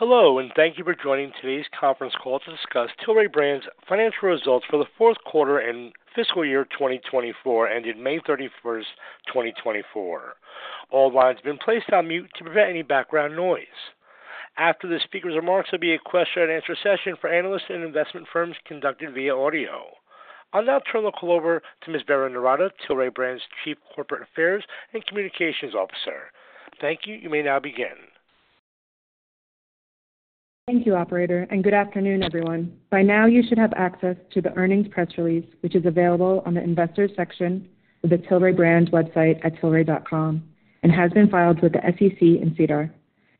Hello, and thank you for joining today's conference call to discuss Tilray Brands' financial results for the Q4 and FY 2024 ended May 31st, 2024. All lines have been placed on mute to prevent any background noise. After the speaker's remarks, there'll be a question-and-answer session for analysts and investment firms conducted via audio. I'll now turn the call over to Ms. Berrin Noorata, Tilray Brands' Chief Corporate Affairs and Communications Officer. Thank you. You may now begin. Thank you, Operator, and good afternoon, everyone. By now, you should have access to the earnings press release, which is available on the Investors' section of the Tilray Brands website at tilray.com and has been filed with the SEC and SEDAR.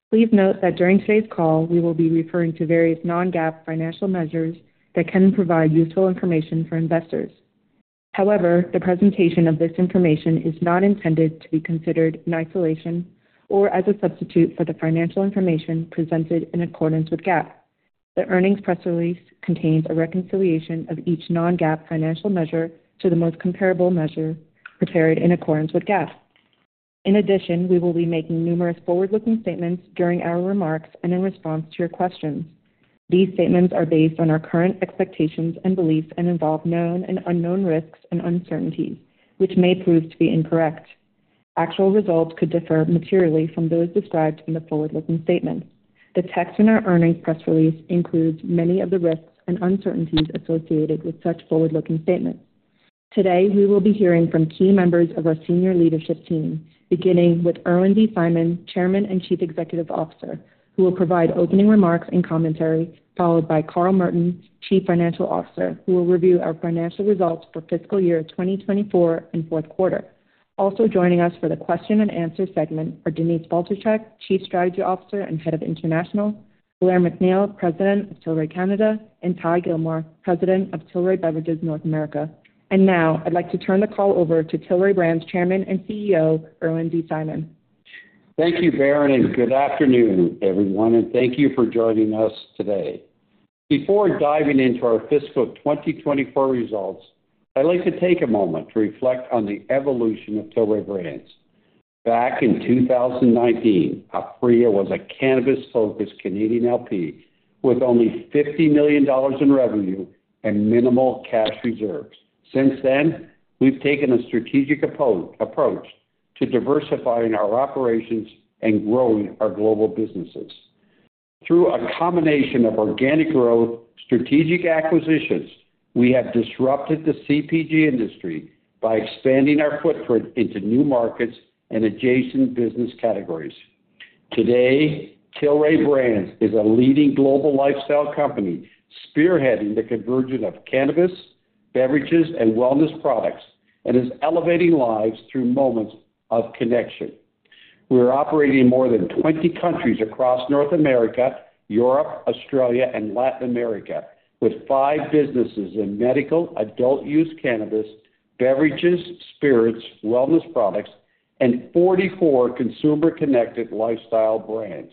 Please note that during today's call, we will be referring to various non-GAAP financial measures that can provide useful information for investors. However, the presentation of this information is not intended to be considered in isolation or as a substitute for the financial information presented in accordance with GAAP. The earnings press release contains a reconciliation of each non-GAAP financial measure to the most comparable measure prepared in accordance with GAAP. In addition, we will be making numerous forward-looking statements during our remarks and in response to your questions. These statements are based on our current expectations and beliefs and involve known and unknown risks and uncertainties, which may prove to be incorrect. Actual results could differ materially from those described in the forward-looking statements. The text in our earnings press release includes many of the risks and uncertainties associated with such forward-looking statements. Today, we will be hearing from key members of our senior leadership team, beginning with Irwin D. Simon, Chairman and Chief Executive Officer, who will provide opening remarks and commentary, followed by Carl Merton, Chief Financial Officer, who will review our financial results for fiscal year 2024 and Q4. Also joining us for the question-and-answer segment are Denise Faltischek, Chief Strategy Officer and Head of International, Blair MacNeil, President of Tilray Canada, and Ty Gilmore, President of Tilray Beverages North America. And now, I'd like to turn the call over to Tilray Brands' Chairman and CEO, Irwin D. Simon. Thank you, Berrin, and good afternoon, everyone, and thank you for joining us today. Before diving into our fiscal 2024 results, I'd like to take a moment to reflect on the evolution of Tilray Brands. Back in 2019, Aphria was a cannabis-focused Canadian LP with only $50 million in revenue and minimal cash reserves. Since then, we've taken a strategic approach to diversifying our operations and growing our global businesses. Through a combination of organic growth and strategic acquisitions, we have disrupted the CPG industry by expanding our footprint into new markets and adjacent business categories. Today, Tilray Brands is a leading global lifestyle company spearheading the convergence of cannabis, beverages, and wellness products and is elevating lives through moments of connection. We're operating in more than 20 countries across North America, Europe, Australia, and Latin America, with five businesses in medical, adult use cannabis, beverages, spirits, wellness products, and 44 consumer-connected lifestyle brands.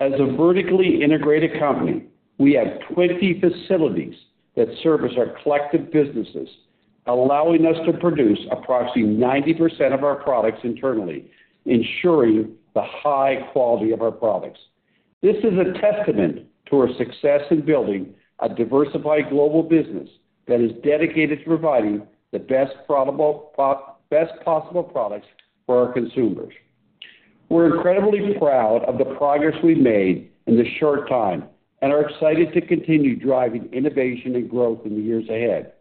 As a vertically integrated company, we have 20 facilities that service our collective businesses, allowing us to produce approximately 90% of our products internally, ensuring the high quality of our products. This is a testament to our success in building a diversified global business that is dedicated to providing the best possible products for our consumers. We're incredibly proud of the progress we've made in this short time and are excited to continue driving innovation and growth in the years ahead.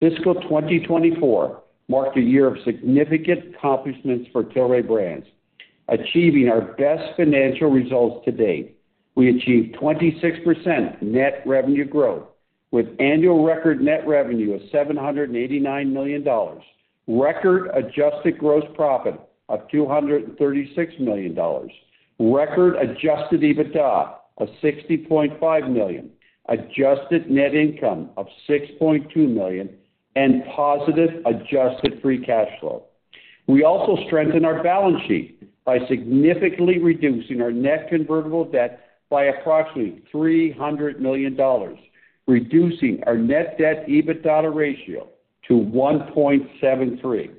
Fiscal 2024 marked a year of significant accomplishments for Tilray Brands. Achieving our best financial results to date, we achieved 26% net revenue growth, with annual record net revenue of $789 million, record adjusted gross profit of $236 million, record adjusted EBITDA of $60.5 million, adjusted net income of $6.2 million, and positive adjusted free cash flow. We also strengthened our balance sheet by significantly reducing our net convertible debt by approximately $300 million, reducing our net debt/EBITDA ratio to 1.73.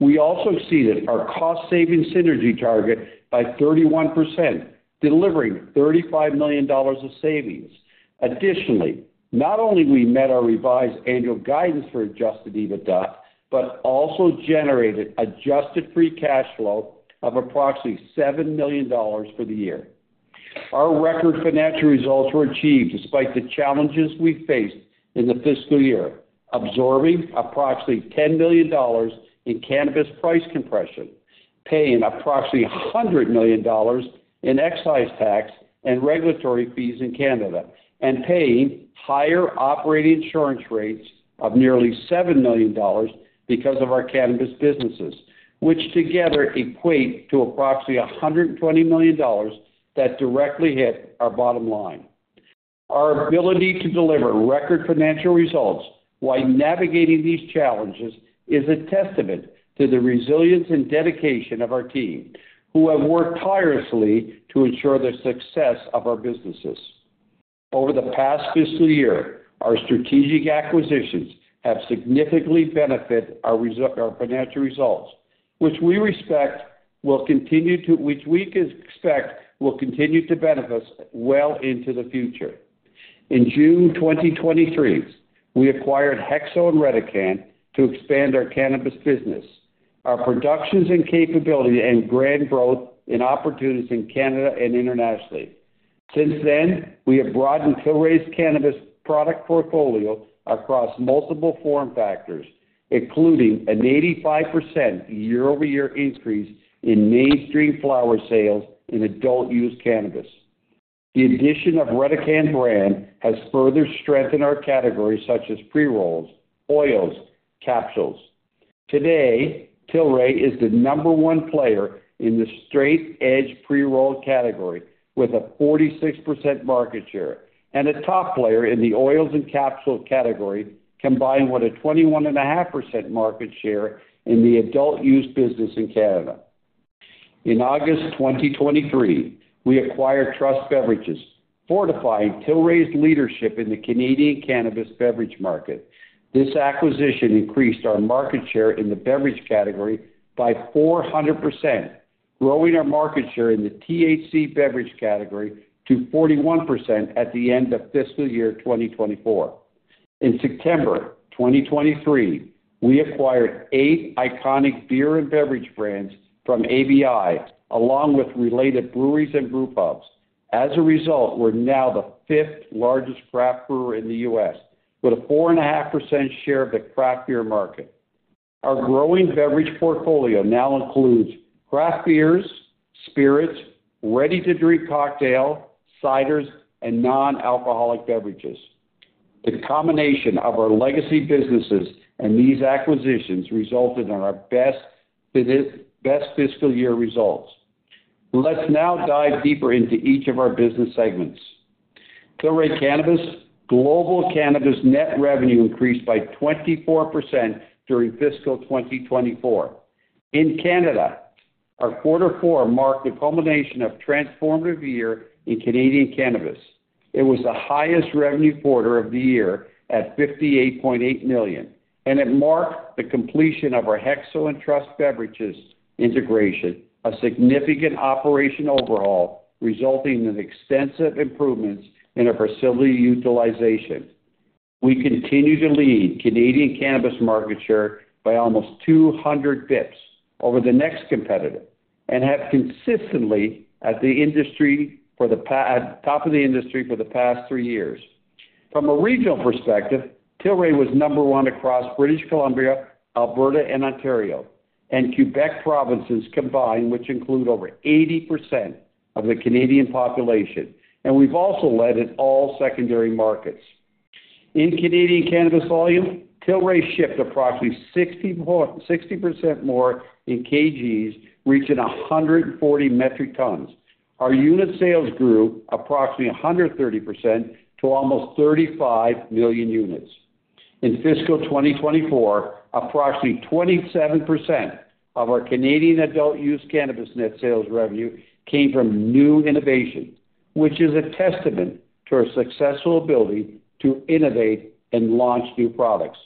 We also exceeded our cost-saving synergy target by 31%, delivering $35 million of savings. Additionally, not only did we meet our revised annual guidance for adjusted EBITDA, but also generated adjusted free cash flow of approximately $7 million for the year. Our record financial results were achieved despite the challenges we faced in the fiscal year, absorbing approximately $10 million in cannabis price compression, paying approximately $100 million in excise tax and regulatory fees in Canada, and paying higher operating insurance rates of nearly $7 million because of our cannabis businesses, which together equate to approximately $120 million that directly hit our bottom line. Our ability to deliver record financial results while navigating these challenges is a testament to the resilience and dedication of our team, who have worked tirelessly to ensure the success of our businesses. Over the past fiscal year, our strategic acquisitions have significantly benefited our financial results, which we expect will continue to benefit us well into the future. In June 2023, we acquired Hexo and Redecan to expand our cannabis business, our productions and capability, and grand growth in opportunities in Canada and internationally. Since then, we have broadened Tilray's cannabis product portfolio across multiple form factors, including an 85% year-over-year increase in mainstream flower sales in adult use cannabis. The addition of Redecan brand has further strengthened our categories such as pre-rolls, oils, and capsules. Today, Tilray is the number one player in the straight-edge pre-roll category with a 46% market share and a top player in the oils and capsule category, combining with a 21.5% market share in the adult use business in Canada. In August 2023, we acquired Trust Beverages, fortifying Tilray's leadership in the Canadian cannabis beverage market. This acquisition increased our market share in the beverage category by 400%, growing our market share in the THC beverage category to 41% at the end of fiscal year 2024. In September 2023, we acquired eight iconic beer and beverage brands from ABI, along with related breweries and brewpubs. As a result, we're now the fifth largest craft brewer in the U.S., with a 4.5% share of the craft beer market. Our growing beverage portfolio now includes craft beers, spirits, ready-to-drink cocktails, ciders, and non-alcoholic beverages. The combination of our legacy businesses and these acquisitions resulted in our best fiscal year results. Let's now dive deeper into each of our business segments. Tilray Cannabis: Global cannabis net revenue increased by 24% during fiscal 2024. In Canada, our quarter four marked the culmination of a transformative year in Canadian cannabis. It was the highest revenue quarter of the year at $58.8 million, and it marked the completion of our Hexo and Truss Beverages integration, a significant operation overhaul resulting in extensive improvements in our facility utilization. We continue to lead the Canadian cannabis market share by almost 200 basis points over the next competitor and have consistently been at the top of the industry for the past three years. From a regional perspective, Tilray was number 1 across British Columbia, Alberta, and Ontario, and Quebec provinces combined, which include over 80% of the Canadian population. We've also led in all secondary markets. In Canadian cannabis volume, Tilray shipped approximately 60% more in kg, reaching 140 metric tons. Our unit sales grew approximately 130% to almost 35 million units. In fiscal 2024, approximately 27% of our Canadian adult use cannabis net sales revenue came from new innovation, which is a testament to our successful ability to innovate and launch new products.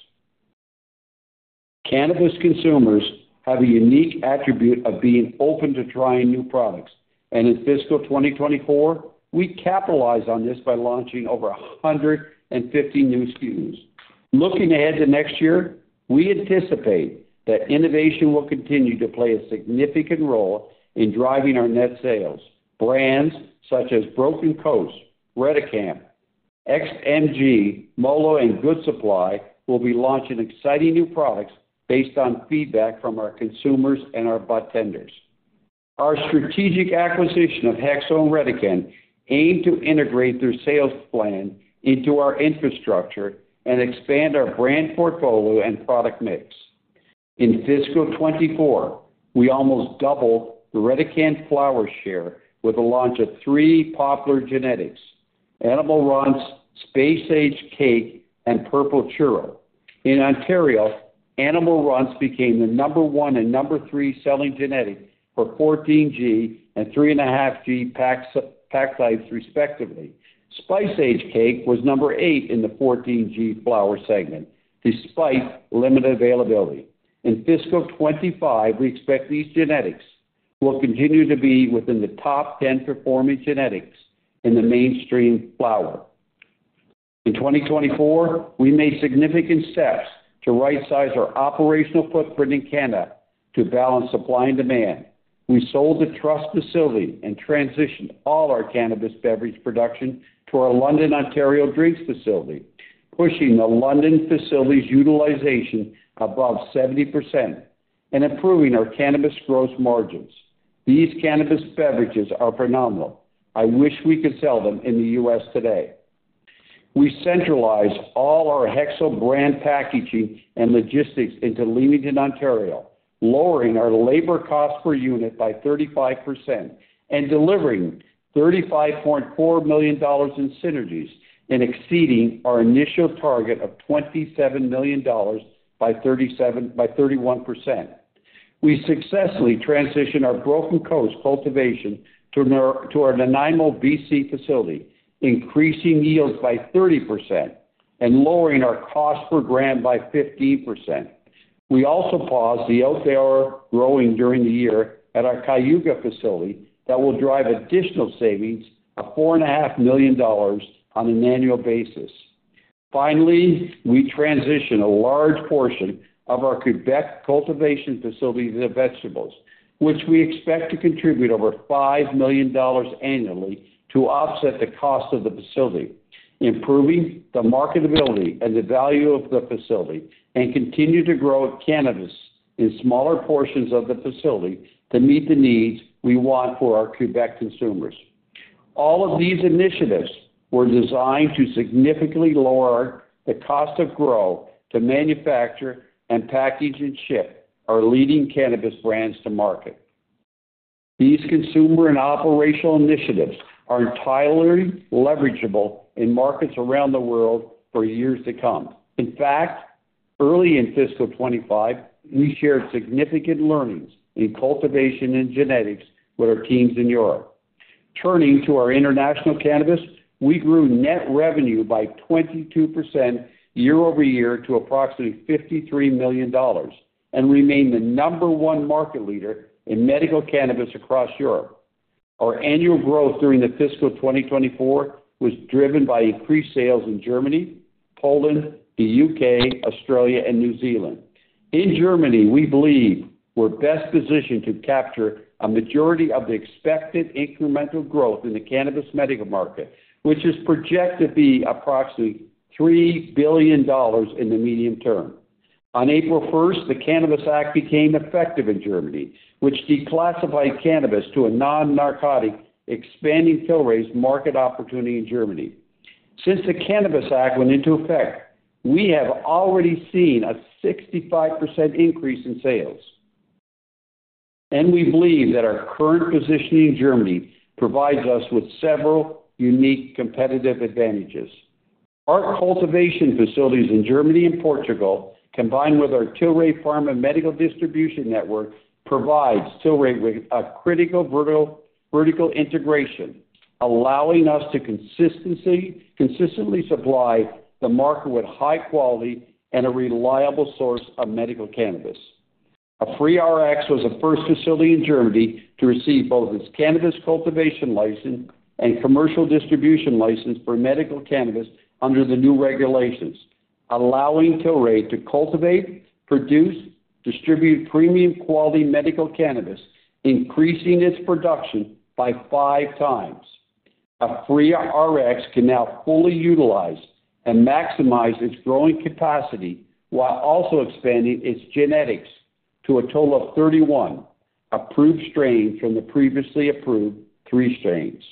Cannabis consumers have a unique attribute of being open to trying new products, and in fiscal 2024, we capitalized on this by launching over 150 new SKUs. Looking ahead to next year, we anticipate that innovation will continue to play a significant role in driving our net sales. Brands such as Broken Coast, Redecan, XMG, Mollo, and Good Supply will be launching exciting new products based on feedback from our consumers and our bartenders. Our strategic acquisition of Hexo and Redecan aimed to integrate their sales plan into our infrastructure and expand our brand portfolio and product mix. In fiscal 2024, we almost doubled the Redecan flower share with the launch of three popular genetics: Animal Runtz, Space Age Cake, and Purple Churro. In Ontario, Animal Runtz became the number one and number three selling genetic for 14G and 3.5G pack types, respectively. Space Age Cake was number eight in the 14G flower segment, despite limited availability. In fiscal 2025, we expect these genetics will continue to be within the top 10 performing genetics in the mainstream flower. In 2024, we made significant steps to right-size our operational footprint in Canada to balance supply and demand. We sold the Truss facility and transitioned all our cannabis beverage production to our London, Ontario drinks facility, pushing the London facility's utilization above 70% and improving our cannabis gross margins. These cannabis beverages are phenomenal. I wish we could sell them in the U.S. today. We centralized all our Hexo brand packaging and logistics into Leamington, Ontario, lowering our labor cost per unit by 35% and delivering $35.4 million in synergies and exceeding our initial target of $27 million by 31%. We successfully transitioned our Broken Coast cultivation to our Nanaimo BC facility, increasing yields by 30% and lowering our cost per gram by 15%. We also paused the outdoor growing during the year at our Cayuga facility that will drive additional savings of $4.5 million on an annual basis. Finally, we transitioned a large portion of our Quebec cultivation facility to vegetables, which we expect to contribute over $5 million annually to offset the cost of the facility, improving the marketability and the value of the facility, and continue to grow cannabis in smaller portions of the facility to meet the needs we want for our Quebec consumers. All of these initiatives were designed to significantly lower the cost of grow to manufacture, package, and ship our leading cannabis brands to market. These consumer and operational initiatives are entirely leverageable in markets around the world for years to come. In fact, early in fiscal 2025, we shared significant learnings in cultivation and genetics with our teams in Europe. Turning to our international cannabis, we grew net revenue by 22% year-over-year to approximately $53 million and remained the number one market leader in medical cannabis across Europe. Our annual growth during the fiscal 2024 was driven by increased sales in Germany, Poland, the UK, Australia, and New Zealand. In Germany, we believe we're best positioned to capture a majority of the expected incremental growth in the cannabis medical market, which is projected to be approximately $3 billion in the medium term. On April 1st, the Cannabis Act became effective in Germany, which declassified cannabis to a non-narcotic, expanding Tilray's market opportunity in Germany. Since the Cannabis Act went into effect, we have already seen a 65% increase in sales. We believe that our current position in Germany provides us with several unique competitive advantages. Our cultivation facilities in Germany and Portugal, combined with our Tilray Pharma medical distribution network, provide Tilray with a critical vertical integration, allowing us to consistently supply the market with high quality and a reliable source of medical cannabis. Aphria Rx was the first facility in Germany to receive both its cannabis cultivation license and commercial distribution license for medical cannabis under the new regulations, allowing Tilray to cultivate, produce, and distribute premium quality medical cannabis, increasing its production by five times. Aphria Rx can now fully utilize and maximize its growing capacity while also expanding its genetics to a total of 31 approved strains from the previously approved 3 strains.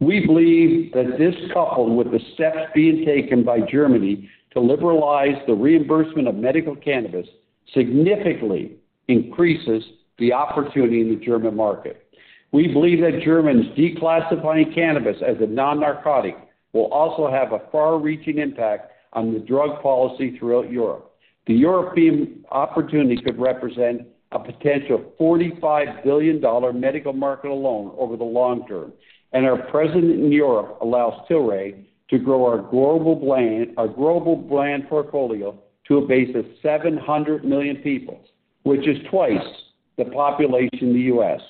We believe that this coupled with the steps being taken by Germany to liberalize the reimbursement of medical cannabis significantly increases the opportunity in the German market. We believe that Germans declassifying cannabis as a non-narcotic will also have a far-reaching impact on the drug policy throughout Europe. The European opportunity could represent a potential $45 billion medical market alone over the long term, and our presence in Europe allows Tilray to grow our global brand portfolio to a base of 700 million people, which is twice the population in the U.S.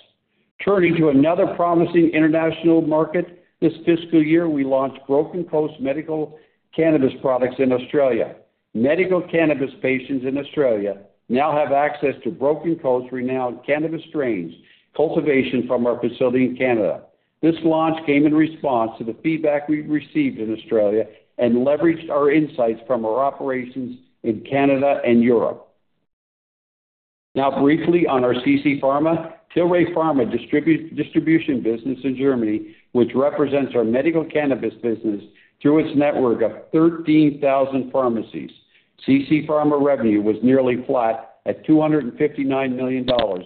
Turning to another promising international market, this fiscal year, we launched Broken Coast medical cannabis products in Australia. Medical cannabis patients in Australia now have access to Broken Coast's renowned cannabis strains cultivation from our facility in Canada. This launch came in response to the feedback we received in Australia and leveraged our insights from our operations in Canada and Europe. Now, briefly on our CC Pharma, Tilray Pharma distribution business in Germany, which represents our medical cannabis business through its network of 13,000 pharmacies. CC Pharma revenue was nearly flat at $259 million,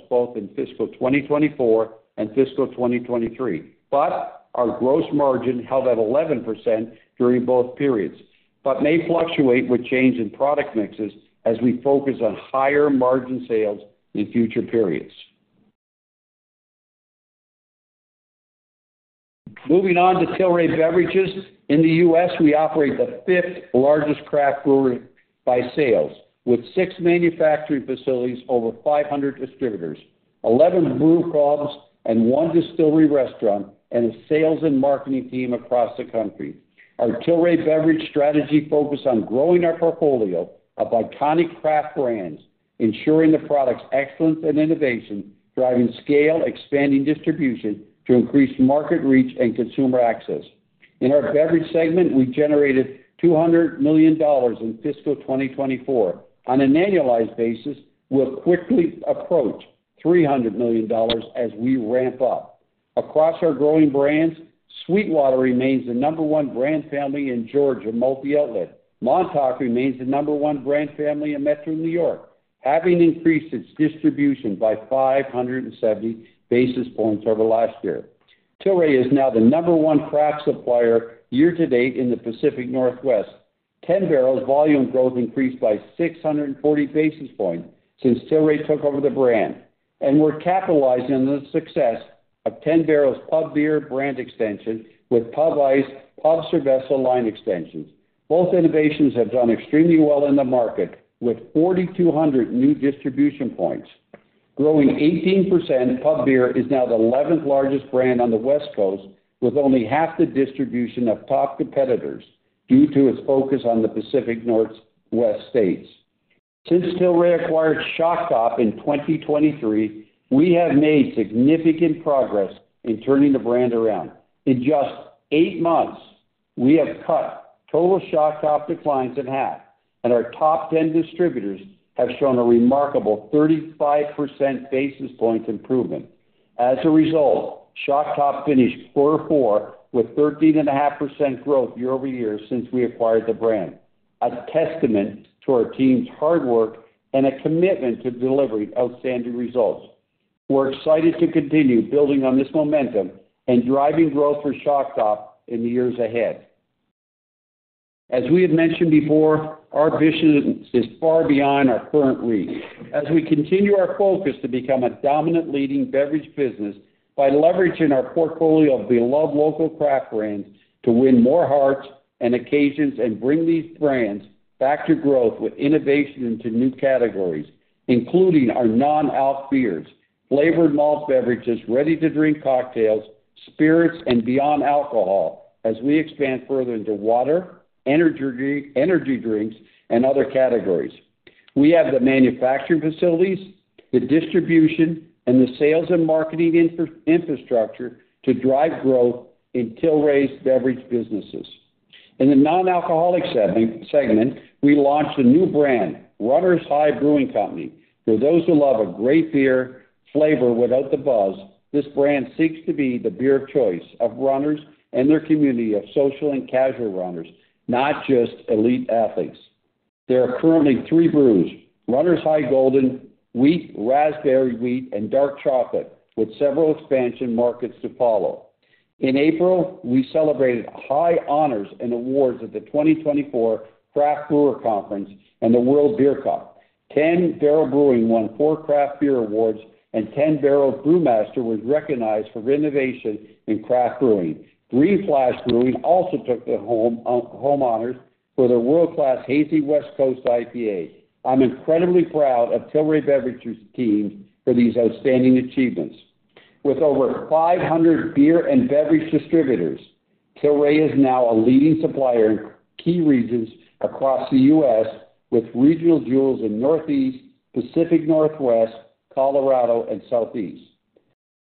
both in fiscal 2024 and fiscal 2023, but our gross margin held at 11% during both periods, but may fluctuate with change in product mixes as we focus on higher margin sales in future periods. Moving on to Tilray Beverages, in the U.S., we operate the fifth largest craft brewery by sales, with six manufacturing facilities, over 500 distributors, 11 brewpubs, and one distillery restaurant, and a sales and marketing team across the country. Our Tilray Beverage strategy focuses on growing our portfolio of iconic craft brands, ensuring the product's excellence and innovation, driving scale, expanding distribution to increase market reach and consumer access. In our beverage segment, we generated $200 million in fiscal 2024. On an annualized basis, we'll quickly approach $300 million as we ramp up. Across our growing brands, SweetWater remains the number one brand family in Georgia multi-outlet. Montauk remains the number one brand family in Metro New York, having increased its distribution by 570 basis points over the last year. Tilray is now the number one craft supplier year-to-date in the Pacific Northwest. 10 Barrel volume growth increased by 640 basis points since Tilray took over the brand. We're capitalizing on the success of 10 Barrel Pub Beer brand extension with Pub Ice, Pub Cerveza line extensions. Both innovations have done extremely well in the market, with 4,200 new distribution points. Growing 18%, Pub Beer is now the 11th largest brand on the West Coast, with only half the distribution of top competitors due to its focus on the Pacific Northwest states. Since Tilray acquired Shock Top in 2023, we have made significant progress in turning the brand around. In just eight months, we have cut total Shock Top declines in half, and our top 10 distributors have shown a remarkable 35 basis points improvement. As a result, Shock Top finished quarter four with 13.5% growth year-over-year since we acquired the brand, a testament to our team's hard work and a commitment to delivering outstanding results. We're excited to continue building on this momentum and driving growth for Shock Top in the years ahead. As we have mentioned before, our vision is far beyond our current reach. As we continue our focus to become a dominant leading beverage business by leveraging our portfolio of beloved local craft brands to win more hearts and occasions and bring these brands back to growth with innovation into new categories, including our non-alc beers, flavored malt beverages, ready-to-drink cocktails, spirits, and beyond alcohol, as we expand further into water, energy drinks, and other categories. We have the manufacturing facilities, the distribution, and the sales and marketing infrastructure to drive growth in Tilray's beverage businesses. In the non-alcoholic segment, we launched a new brand, Runner's High Brewing Company. For those who love a great beer flavor without the buzz, this brand seeks to be the beer of choice of runners and their community of social and casual runners, not just elite athletes. There are currently three brews: Runners High Golden, Wheat, Raspberry Wheat, and Dark Chocolate, with several expansion markets to follow. In April, we celebrated high honors and awards at the 2024 Craft Brewer Conference and the World Beer Cup. 10 Barrel Brewing won four craft beer awards, and 10 Barrel Brewmaster was recognized for innovation in craft brewing. Green Flash Brewing also took the home honors for their world-class Hazy West Coast IPA. I'm incredibly proud of Tilray Beverages' team for these outstanding achievements. With over 500 beer and beverage distributors, Tilray is now a leading supplier in key regions across the U.S., with regional jewels in Northeast, Pacific Northwest, Colorado, and Southeast.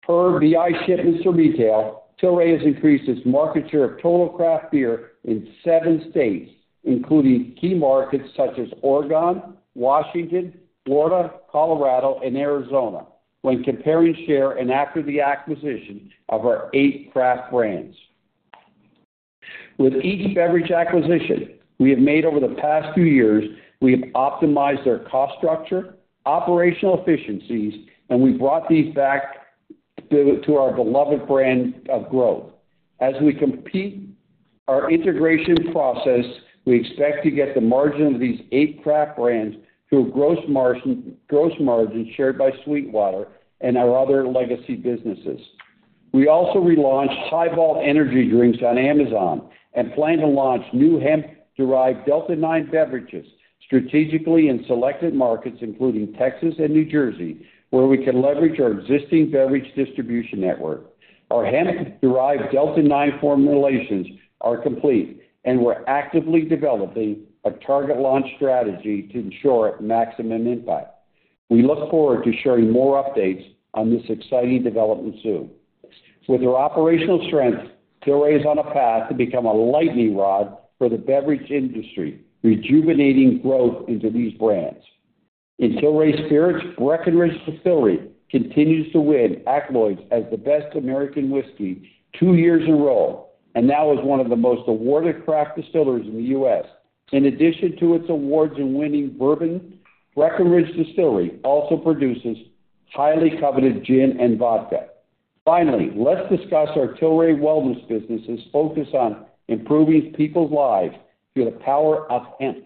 Per VIP Shipments to Retail, Tilray has increased its market share of total craft beer in seven states, including key markets such as Oregon, Washington, Florida, Colorado, and Arizona, when comparing share and after the acquisition of our eight craft brands. With each beverage acquisition we have made over the past few years, we have optimized their cost structure, operational efficiencies, and we brought these back to our beloved brand of growth. As we complete our integration process, we expect to get the margin of these eight craft brands through gross margins shared by SweetWater and our other legacy businesses. We also relaunched Hiball energy drinks on Amazon and plan to launch new hemp-derived Delta 9 beverages strategically in selected markets, including Texas and New Jersey, where we can leverage our existing beverage distribution network. Our hemp-derived Delta 9 formulations are complete, and we're actively developing a target launch strategy to ensure maximum impact. We look forward to sharing more updates on this exciting development soon. With our operational strength, Tilray is on a path to become a lightning rod for the beverage industry, rejuvenating growth into these brands. In Tilray Spirits, Breckenridge Distillery continues to win accolades as the best American whiskey two years in a row and now is one of the most awarded craft distilleries in the U.S. In addition to its awards in winning bourbon, Breckenridge Distillery also produces highly coveted gin and vodka. Finally, let's discuss our Tilray Wellness business's focus on improving people's lives through the power of hemp.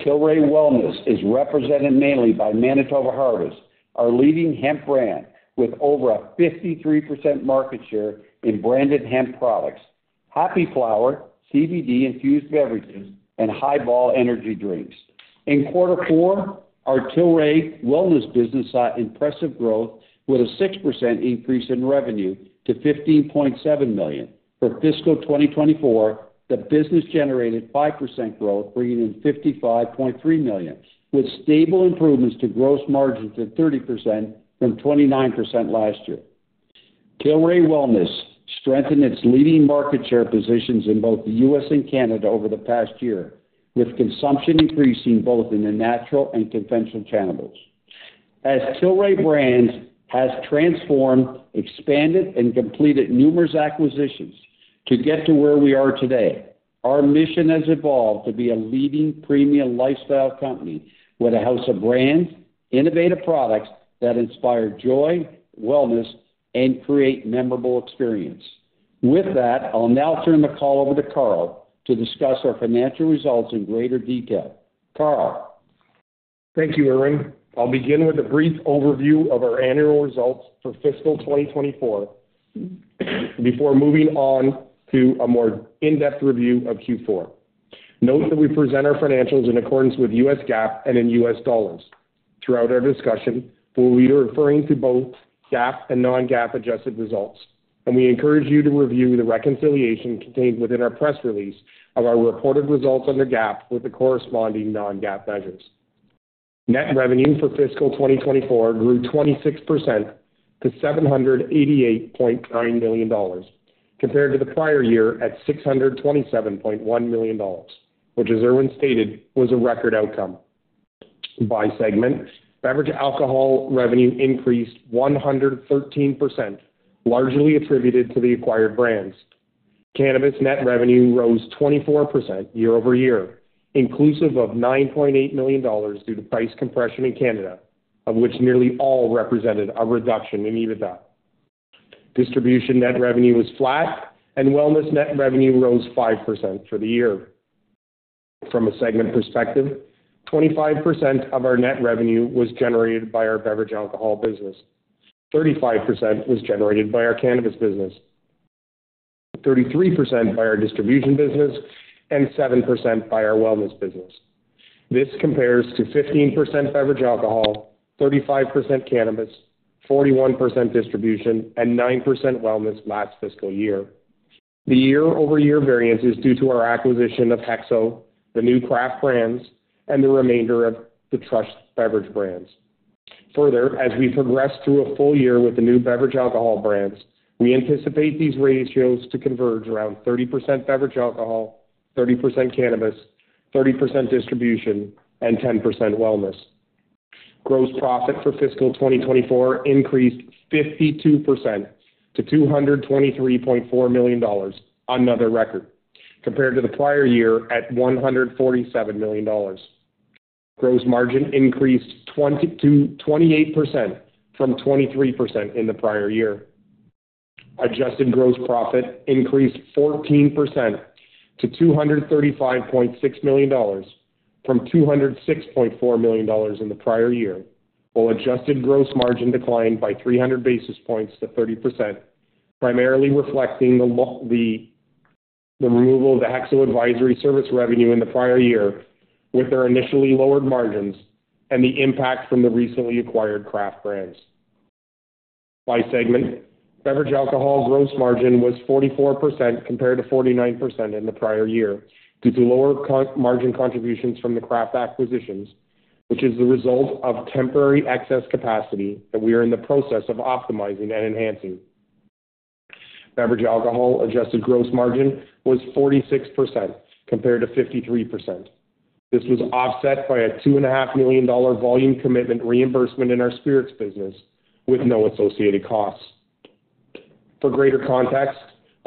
Tilray Wellness is represented mainly by Manitoba Harvest, our leading hemp brand with over a 53% market share in branded hemp products, hemp flour, CBD-infused beverages, and high-volume energy drinks. In quarter four, our Tilray Wellness business saw impressive growth with a 6% increase in revenue to $15.7 million. For fiscal 2024, the business generated 5% growth, bringing in $55.3 million, with stable improvements to gross margins at 30% from 29% last year. Tilray Wellness strengthened its leading market share positions in both the U.S. and Canada over the past year, with consumption increasing both in the natural and conventional channels. As Tilray Brands has transformed, expanded, and completed numerous acquisitions to get to where we are today, our mission has evolved to be a leading premium lifestyle company with a house of brands, innovative products that inspire joy, wellness, and create memorable experience. With that, I'll now turn the call over to Carl to discuss our financial results in greater detail. Carl. Thank you, Irwin. I'll begin with a brief overview of our annual results for fiscal 2024 before moving on to a more in-depth review of Q4. Note that we present our financials in accordance with U.S. GAAP and in U.S. dollars. Throughout our discussion, we'll be referring to both GAAP and non-GAAP adjusted results, and we encourage you to review the reconciliation contained within our press release of our reported results under GAAP with the corresponding non-GAAP measures. Net revenue for fiscal 2024 grew 26% to $788.9 million, compared to the prior year at $627.1 million, which, as Irwin stated, was a record outcome. By segment, beverage alcohol revenue increased 113%, largely attributed to the acquired brands. Cannabis net revenue rose 24% year-over-year, inclusive of $9.8 million due to price compression in Canada, of which nearly all represented a reduction in EBITDA. Distribution net revenue was flat, and wellness net revenue rose 5% for the year. From a segment perspective, 25% of our net revenue was generated by our beverage alcohol business, 35% was generated by our cannabis business, 33% by our distribution business, and 7% by our wellness business. This compares to 15% beverage alcohol, 35% cannabis, 41% distribution, and 9% wellness last fiscal year. The year-over-year variance is due to our acquisition of Hexo, the new craft brands, and the remainder of the Truss Beverages brands. Further, as we progress through a full year with the new beverage alcohol brands, we anticipate these ratios to converge around 30% beverage alcohol, 30% cannabis, 30% distribution, and 10% wellness. Gross profit for fiscal 2024 increased 52% to $223.4 million, another record, compared to the prior year at $147 million. Gross margin increased 28% from 23% in the prior year. Adjusted gross profit increased 14% to $235.6 million, from $206.4 million in the prior year, while adjusted gross margin declined by 300 basis points to 30%, primarily reflecting the removal of the Hexo advisory service revenue in the prior year with our initially lowered margins and the impact from the recently acquired craft brands. By segment, beverage alcohol gross margin was 44% compared to 49% in the prior year due to lower margin contributions from the craft acquisitions, which is the result of temporary excess capacity that we are in the process of optimizing and enhancing. Beverage alcohol adjusted gross margin was 46% compared to 53%. This was offset by a $2.5 million volume commitment reimbursement in our spirits business, with no associated costs. For greater context,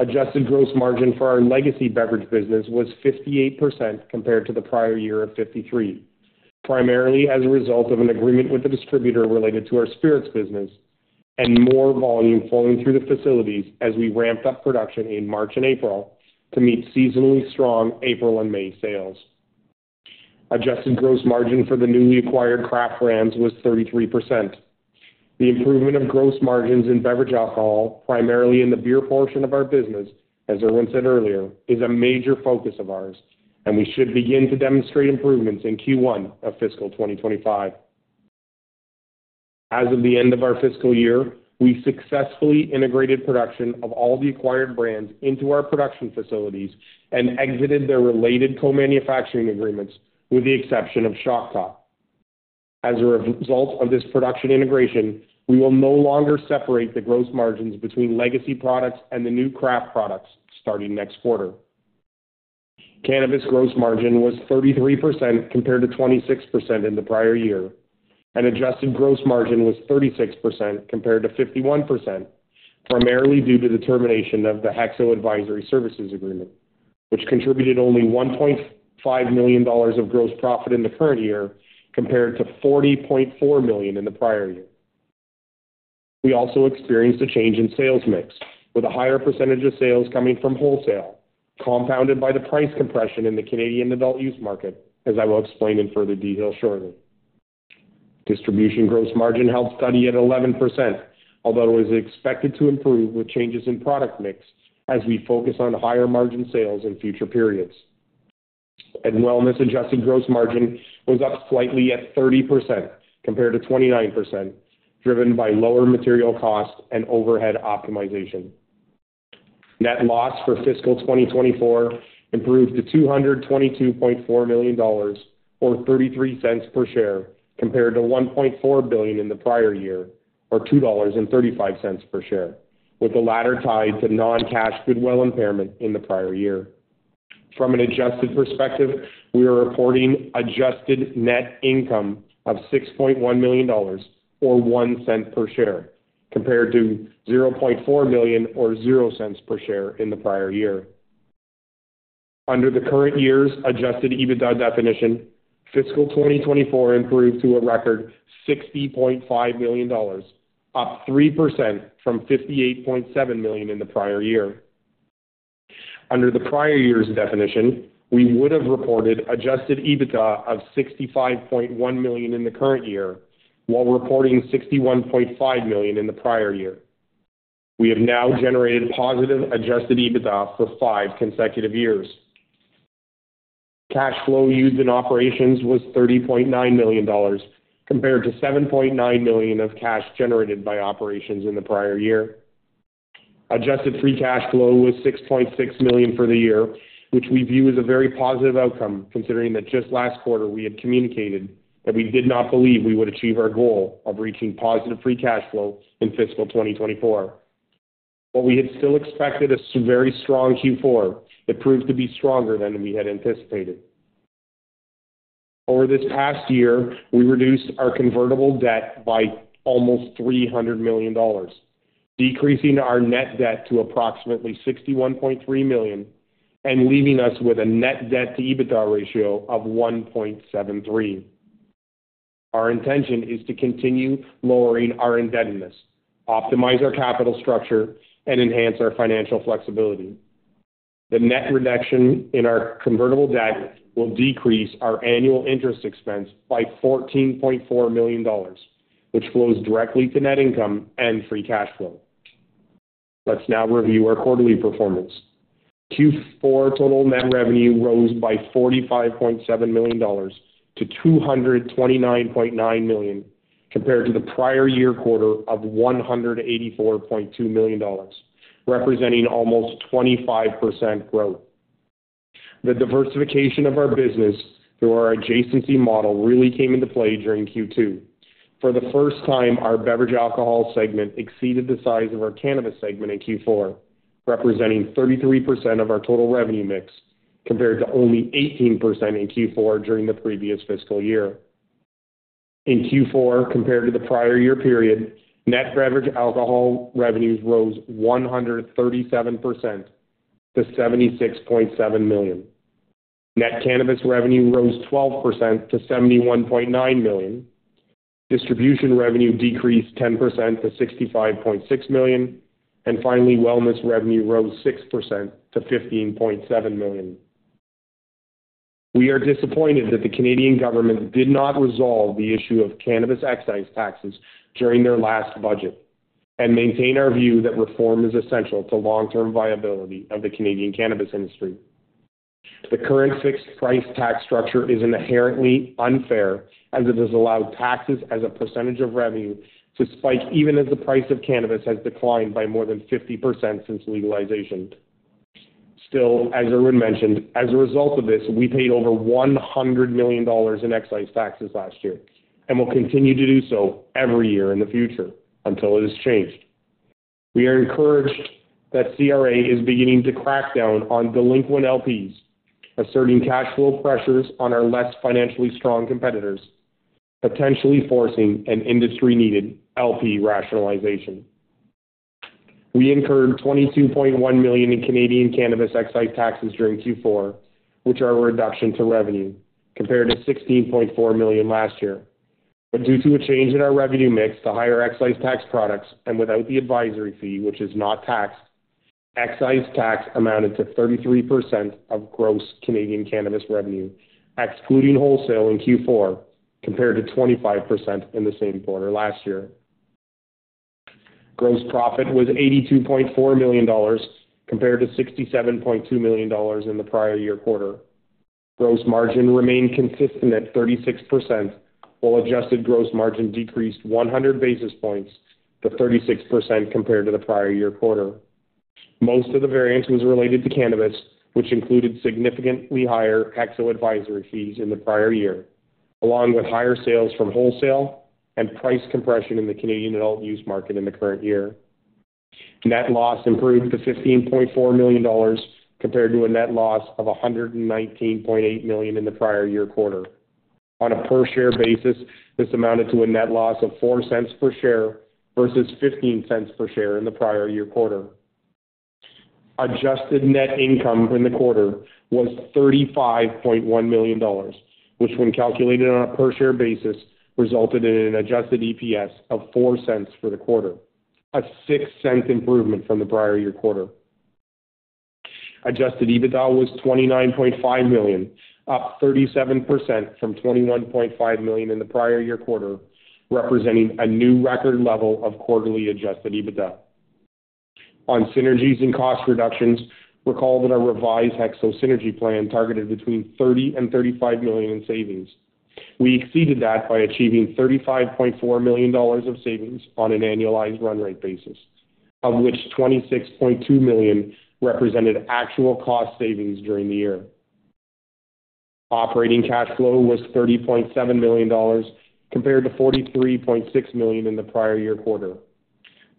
adjusted gross margin for our legacy beverage business was 58% compared to the prior year of 53%, primarily as a result of an agreement with the distributor related to our spirits business and more volume flowing through the facilities as we ramped up production in March and April to meet seasonally strong April and May sales. Adjusted gross margin for the newly acquired craft brands was 33%. The improvement of gross margins in beverage alcohol, primarily in the beer portion of our business, as Irwin said earlier, is a major focus of ours, and we should begin to demonstrate improvements in Q1 of fiscal 2025. As of the end of our fiscal year, we successfully integrated production of all the acquired brands into our production facilities and exited their related co-manufacturing agreements, with the exception of Shock Top. As a result of this production integration, we will no longer separate the gross margins between legacy products and the new craft products starting next quarter. Cannabis gross margin was 33% compared to 26% in the prior year, and adjusted gross margin was 36% compared to 51%, primarily due to the termination of the Hexo advisory services agreement, which contributed only $1.5 million of gross profit in the current year compared to $40.4 million in the prior year. We also experienced a change in sales mix, with a higher percentage of sales coming from wholesale, compounded by the price compression in the Canadian adult use market, as I will explain in further detail shortly. Distribution gross margin held steady at 11%, although it was expected to improve with changes in product mix as we focus on higher margin sales in future periods. Wellness adjusted gross margin was up slightly at 30% compared to 29%, driven by lower material cost and overhead optimization. Net loss for fiscal 2024 improved to $222.4 million, or $0.33 per share, compared to $1.4 billion in the prior year, or $2.35 per share, with the latter tied to non-cash goodwill impairment in the prior year. From an adjusted perspective, we are reporting adjusted net income of $6.1 million, or $0.01 per share, compared to $0.4 million, or $0.00 per share in the prior year. Under the current year's adjusted EBITDA definition, fiscal 2024 improved to a record $60.5 million, up 3% from $58.7 million in the prior year. Under the prior year's definition, we would have reported adjusted EBITDA of $65.1 million in the current year, while reporting $61.5 million in the prior year. We have now generated positive adjusted EBITDA for five consecutive years. Cash flow used in operations was $30.9 million, compared to $7.9 million of cash generated by operations in the prior year. Adjusted free cash flow was $6.6 million for the year, which we view as a very positive outcome, considering that just last quarter we had communicated that we did not believe we would achieve our goal of reaching positive free cash flow in fiscal 2024. What we had still expected a very strong Q4, it proved to be stronger than we had anticipated. Over this past year, we reduced our convertible debt by almost $300 million, decreasing our net debt to approximately $61.3 million and leaving us with a net debt-to-EBITDA ratio of 1.73. Our intention is to continue lowering our indebtedness, optimize our capital structure, and enhance our financial flexibility. The net reduction in our convertible debt will decrease our annual interest expense by $14.4 million, which flows directly to net income and free cash flow. Let's now review our quarterly performance. Q4 total net revenue rose by $45.7 million to $229.9 million, compared to the prior year quarter of $184.2 million, representing almost 25% growth. The diversification of our business through our adjacency model really came into play during Q2. For the first time, our beverage alcohol segment exceeded the size of our cannabis segment in Q4, representing 33% of our total revenue mix, compared to only 18% in Q4 during the previous fiscal year. In Q4, compared to the prior year period, net beverage alcohol revenues rose 137% to $76.7 million. Net cannabis revenue rose 12% to $71.9 million. Distribution revenue decreased 10% to $65.6 million, and finally, wellness revenue rose 6% to $15.7 million. We are disappointed that the Canadian government did not resolve the issue of cannabis excise taxes during their last budget, and maintain our view that reform is essential to long-term viability of the Canadian cannabis industry. The current fixed price tax structure is inherently unfair as it has allowed taxes as a percentage of revenue to spike even as the price of cannabis has declined by more than 50% since legalization. Still, as Irwin mentioned, as a result of this, we paid over $100 million in excise taxes last year and will continue to do so every year in the future until it is changed. We are encouraged that CRA is beginning to crack down on delinquent LPs, asserting cash flow pressures on our less financially strong competitors, potentially forcing an industry-needed LP rationalization. We incurred $22.1 million in Canadian cannabis excise taxes during Q4, which are a reduction to revenue, compared to $16.4 million last year. But due to a change in our revenue mix to higher excise tax products and without the advisory fee, which is not taxed, excise tax amounted to 33% of gross Canadian cannabis revenue, excluding wholesale in Q4, compared to 25% in the same quarter last year. Gross profit was $82.4 million, compared to $67.2 million in the prior year quarter. Gross margin remained consistent at 36%, while adjusted gross margin decreased 100 basis points to 36% compared to the prior year quarter. Most of the variance was related to cannabis, which included significantly higher Hexo advisory fees in the prior year, along with higher sales from wholesale and price compression in the Canadian adult use market in the current year. Net loss improved to $15.4 million compared to a net loss of $119.8 million in the prior year quarter. On a per-share basis, this amounted to a net loss of $0.04 per share versus $0.15 per share in the prior year quarter. Adjusted net income in the quarter was $35.1 million, which, when calculated on a per-share basis, resulted in an adjusted EPS of $0.04 for the quarter, a $0.06 improvement from the prior year quarter. Adjusted EBITDA was $29.5 million, up 37% from $21.5 million in the prior year quarter, representing a new record level of quarterly adjusted EBITDA. On synergies and cost reductions, recall that our revised Hexo synergy plan targeted between $30-$35 million in savings. We exceeded that by achieving $35.4 million of savings on an annualized run rate basis, of which $26.2 million represented actual cost savings during the year. Operating cash flow was $30.7 million compared to $43.6 million in the prior year quarter.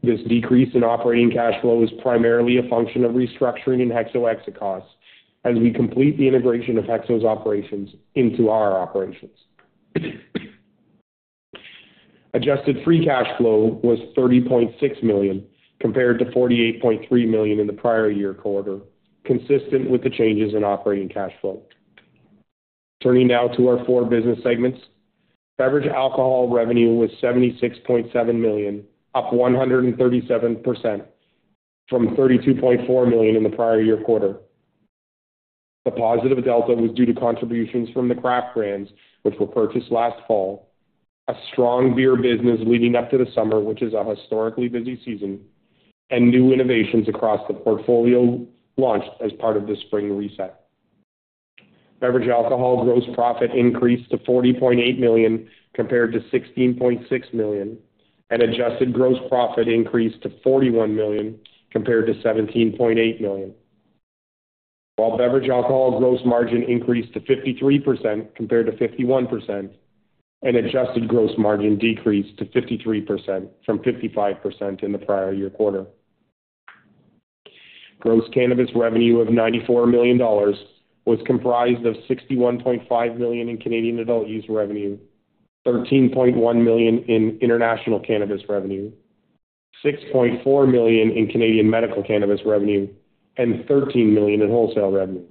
This decrease in operating cash flow is primarily a function of restructuring in Hexo exit costs as we complete the integration of Hexo's operations into our operations. Adjusted free cash flow was $30.6 million compared to $48.3 million in the prior year quarter, consistent with the changes in operating cash flow. Turning now to our four business segments, beverage alcohol revenue was $76.7 million, up 137% from $32.4 million in the prior year quarter. The positive delta was due to contributions from the craft brands, which were purchased last fall, a strong beer business leading up to the summer, which is a historically busy season, and new innovations across the portfolio launched as part of the spring reset. Beverage alcohol gross profit increased to $40.8 million compared to $16.6 million, and adjusted gross profit increased to $41 million compared to $17.8 million. While beverage alcohol gross margin increased to 53% compared to 51%, and adjusted gross margin decreased to 53% from 55% in the prior year quarter. Gross cannabis revenue of $94 million was comprised of $61.5 million in Canadian adult use revenue, $13.1 million in international cannabis revenue, $6.4 million in Canadian medical cannabis revenue, and $13 million in wholesale revenue.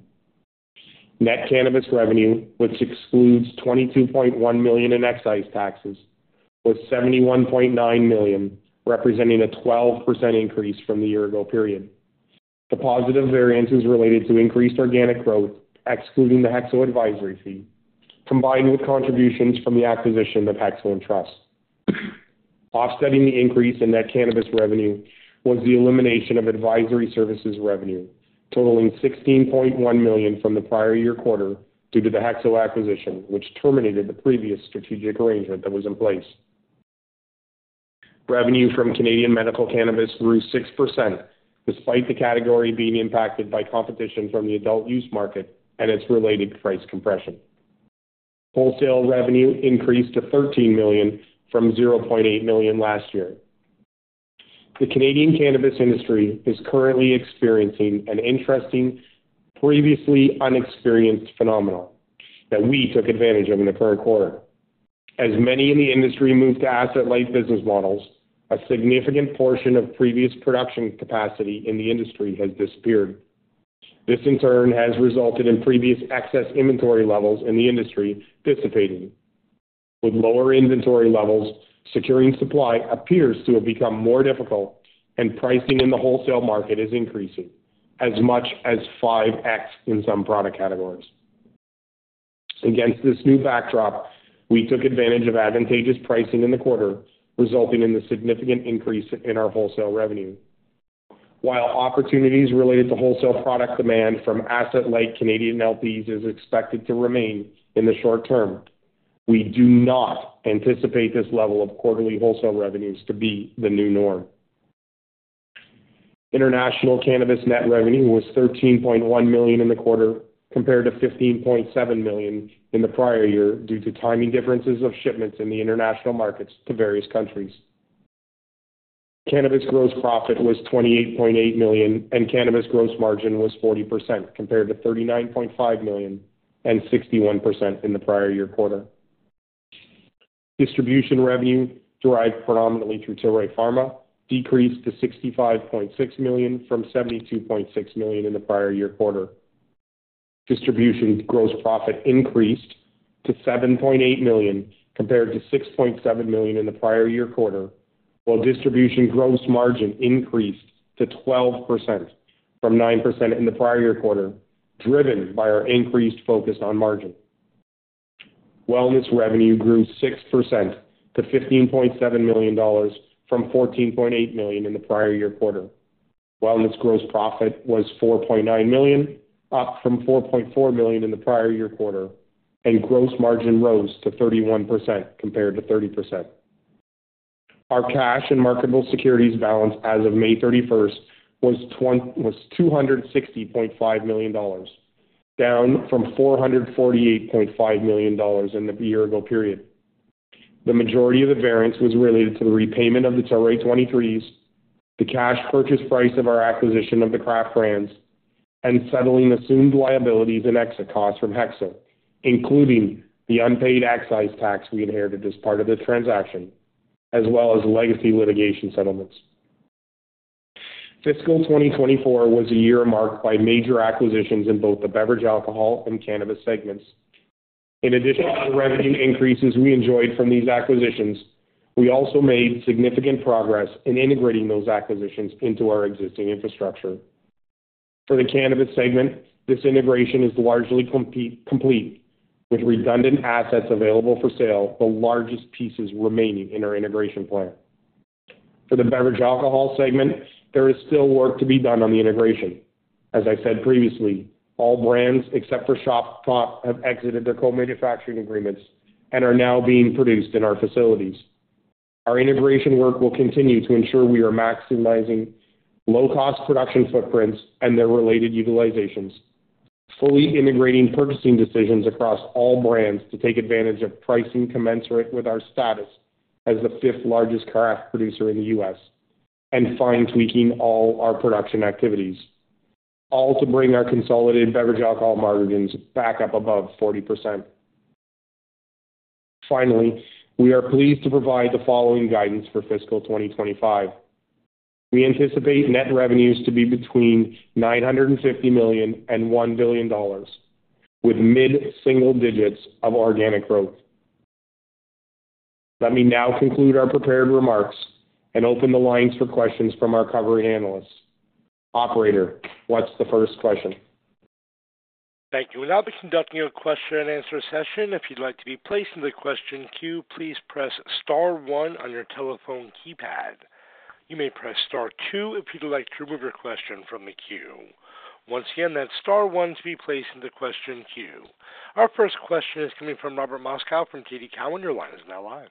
Net cannabis revenue, which excludes $22.1 million in excise taxes, was $71.9 million, representing a 12% increase from the year-ago period. The positive variance is related to increased organic growth, excluding the Hexo advisory fee, combined with contributions from the acquisition of Hexo and Trust. Offsetting the increase in net cannabis revenue was the elimination of advisory services revenue, totaling $16.1 million from the prior year quarter due to the Hexo acquisition, which terminated the previous strategic arrangement that was in place. Revenue from Canadian medical cannabis grew 6%, despite the category being impacted by competition from the adult use market and its related price compression. Wholesale revenue increased to $13 million from $0.8 million last year. The Canadian cannabis industry is currently experiencing an interesting previously unexperienced phenomenon that we took advantage of in the current quarter. As many in the industry move to asset-light business models, a significant portion of previous production capacity in the industry has disappeared. This, in turn, has resulted in previous excess inventory levels in the industry dissipating. With lower inventory levels, securing supply appears to have become more difficult, and pricing in the wholesale market is increasing, as much as 5x in some product categories. Against this new backdrop, we took advantage of advantageous pricing in the quarter, resulting in the significant increase in our wholesale revenue. While opportunities related to wholesale product demand from asset-light Canadian LPs is expected to remain in the short term, we do not anticipate this level of quarterly wholesale revenues to be the new norm. International cannabis net revenue was $13.1 million in the quarter, compared to $15.7 million in the prior year due to timing differences of shipments in the international markets to various countries. Cannabis gross profit was $28.8 million, and cannabis gross margin was 40%, compared to $39.5 million and 61% in the prior year quarter. Distribution revenue, derived predominantly through Tilray Pharma, decreased to $65.6 million from $72.6 million in the prior year quarter. Distribution gross profit increased to $7.8 million, compared to $6.7 million in the prior year quarter, while distribution gross margin increased to 12% from 9% in the prior year quarter, driven by our increased focus on margin. Wellness revenue grew 6% to $15.7 million from $14.8 million in the prior year quarter. Wellness gross profit was $4.9 million, up from $4.4 million in the prior year quarter, and gross margin rose to 31% compared to 30%. Our cash and marketable securities balance as of May 31st was $260.5 million, down from $448.5 million in the year-ago period. The majority of the variance was related to the repayment of the Tilray 23s, the cash purchase price of our acquisition of the craft brands, and settling assumed liabilities and exit costs from Hexo, including the unpaid excise tax we inherited as part of the transaction, as well as legacy litigation settlements. Fiscal 2024 was a year marked by major acquisitions in both the beverage alcohol and cannabis segments. In addition to the revenue increases we enjoyed from these acquisitions, we also made significant progress in integrating those acquisitions into our existing infrastructure. For the cannabis segment, this integration is largely complete, with redundant assets available for sale, the largest pieces remaining in our integration plan. For the beverage alcohol segment, there is still work to be done on the integration. As I said previously, all brands except for Shock Top have exited their co-manufacturing agreements and are now being produced in our facilities. Our integration work will continue to ensure we are maximizing low-cost production footprints and their related utilizations, fully integrating purchasing decisions across all brands to take advantage of pricing commensurate with our status as the fifth largest craft producer in the U.S., and fine-tweaking all our production activities, all to bring our consolidated beverage alcohol margins back up above 40%. Finally, we are pleased to provide the following guidance for Fiscal 2025. We anticipate net revenues to be between $950 million-$1 billion, with mid-single digits of organic growth. Let me now conclude our prepared remarks and open the lines for questions from our covering analysts. Operator, what's the first question? Thank you. We'll now be conducting a question-and-answer session. If you'd like to be placed in the question queue, please press Star 1 on your telephone keypad. You may press Star 2 if you'd like to remove your question from the queue. Once again, that's Star 1 to be placed in the question queue. Our first question is coming from Robert Moskow from TD Cowen. Your line is now live.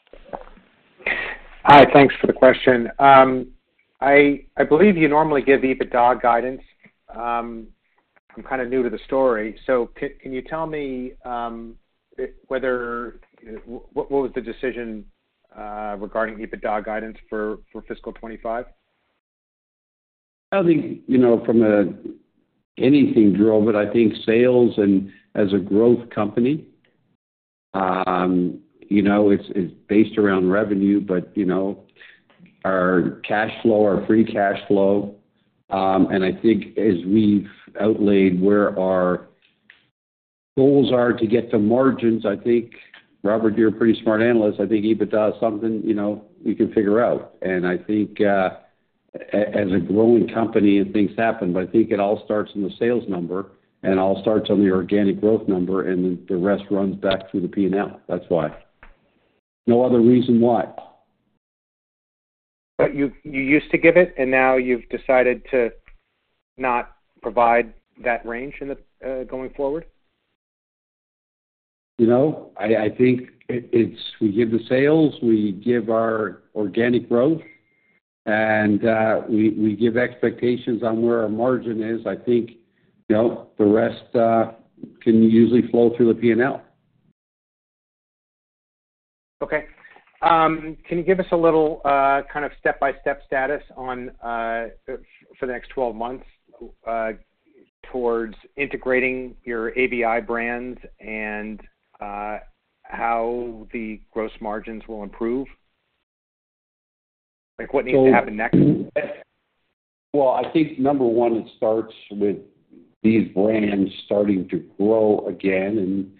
Hi. Thanks for the question. I believe you normally give EBITDA guidance. I'm kind of new to the story. So can you tell me what was the decision regarding EBITDA guidance for Fiscal 2025? I think from a... Anything grow, but I think sales and as a growth company, it's based around revenue, but our cash flow, our free cash flow, and I think as we've outlaid where our goals are to get the margins, I think, Robert, you're a pretty smart analyst. I think EBITDA is something we can figure out. And I think as a growing company, things happen, but I think it all starts in the sales number, and it all starts on the organic growth number, and then the rest runs back through the P&L. That's why. No other reason why. But you used to give it, and now you've decided to not provide that range going forward? I think we give the sales, we give our organic growth, and we give expectations on where our margin is. I think the rest can usually flow through the P&L. Okay. Can you give us a little kind of step-by-step status for the next 12 months towards integrating your ABI brands and how the gross margins will improve? What needs to happen next? Well, I think number one, it starts with these brands starting to grow again.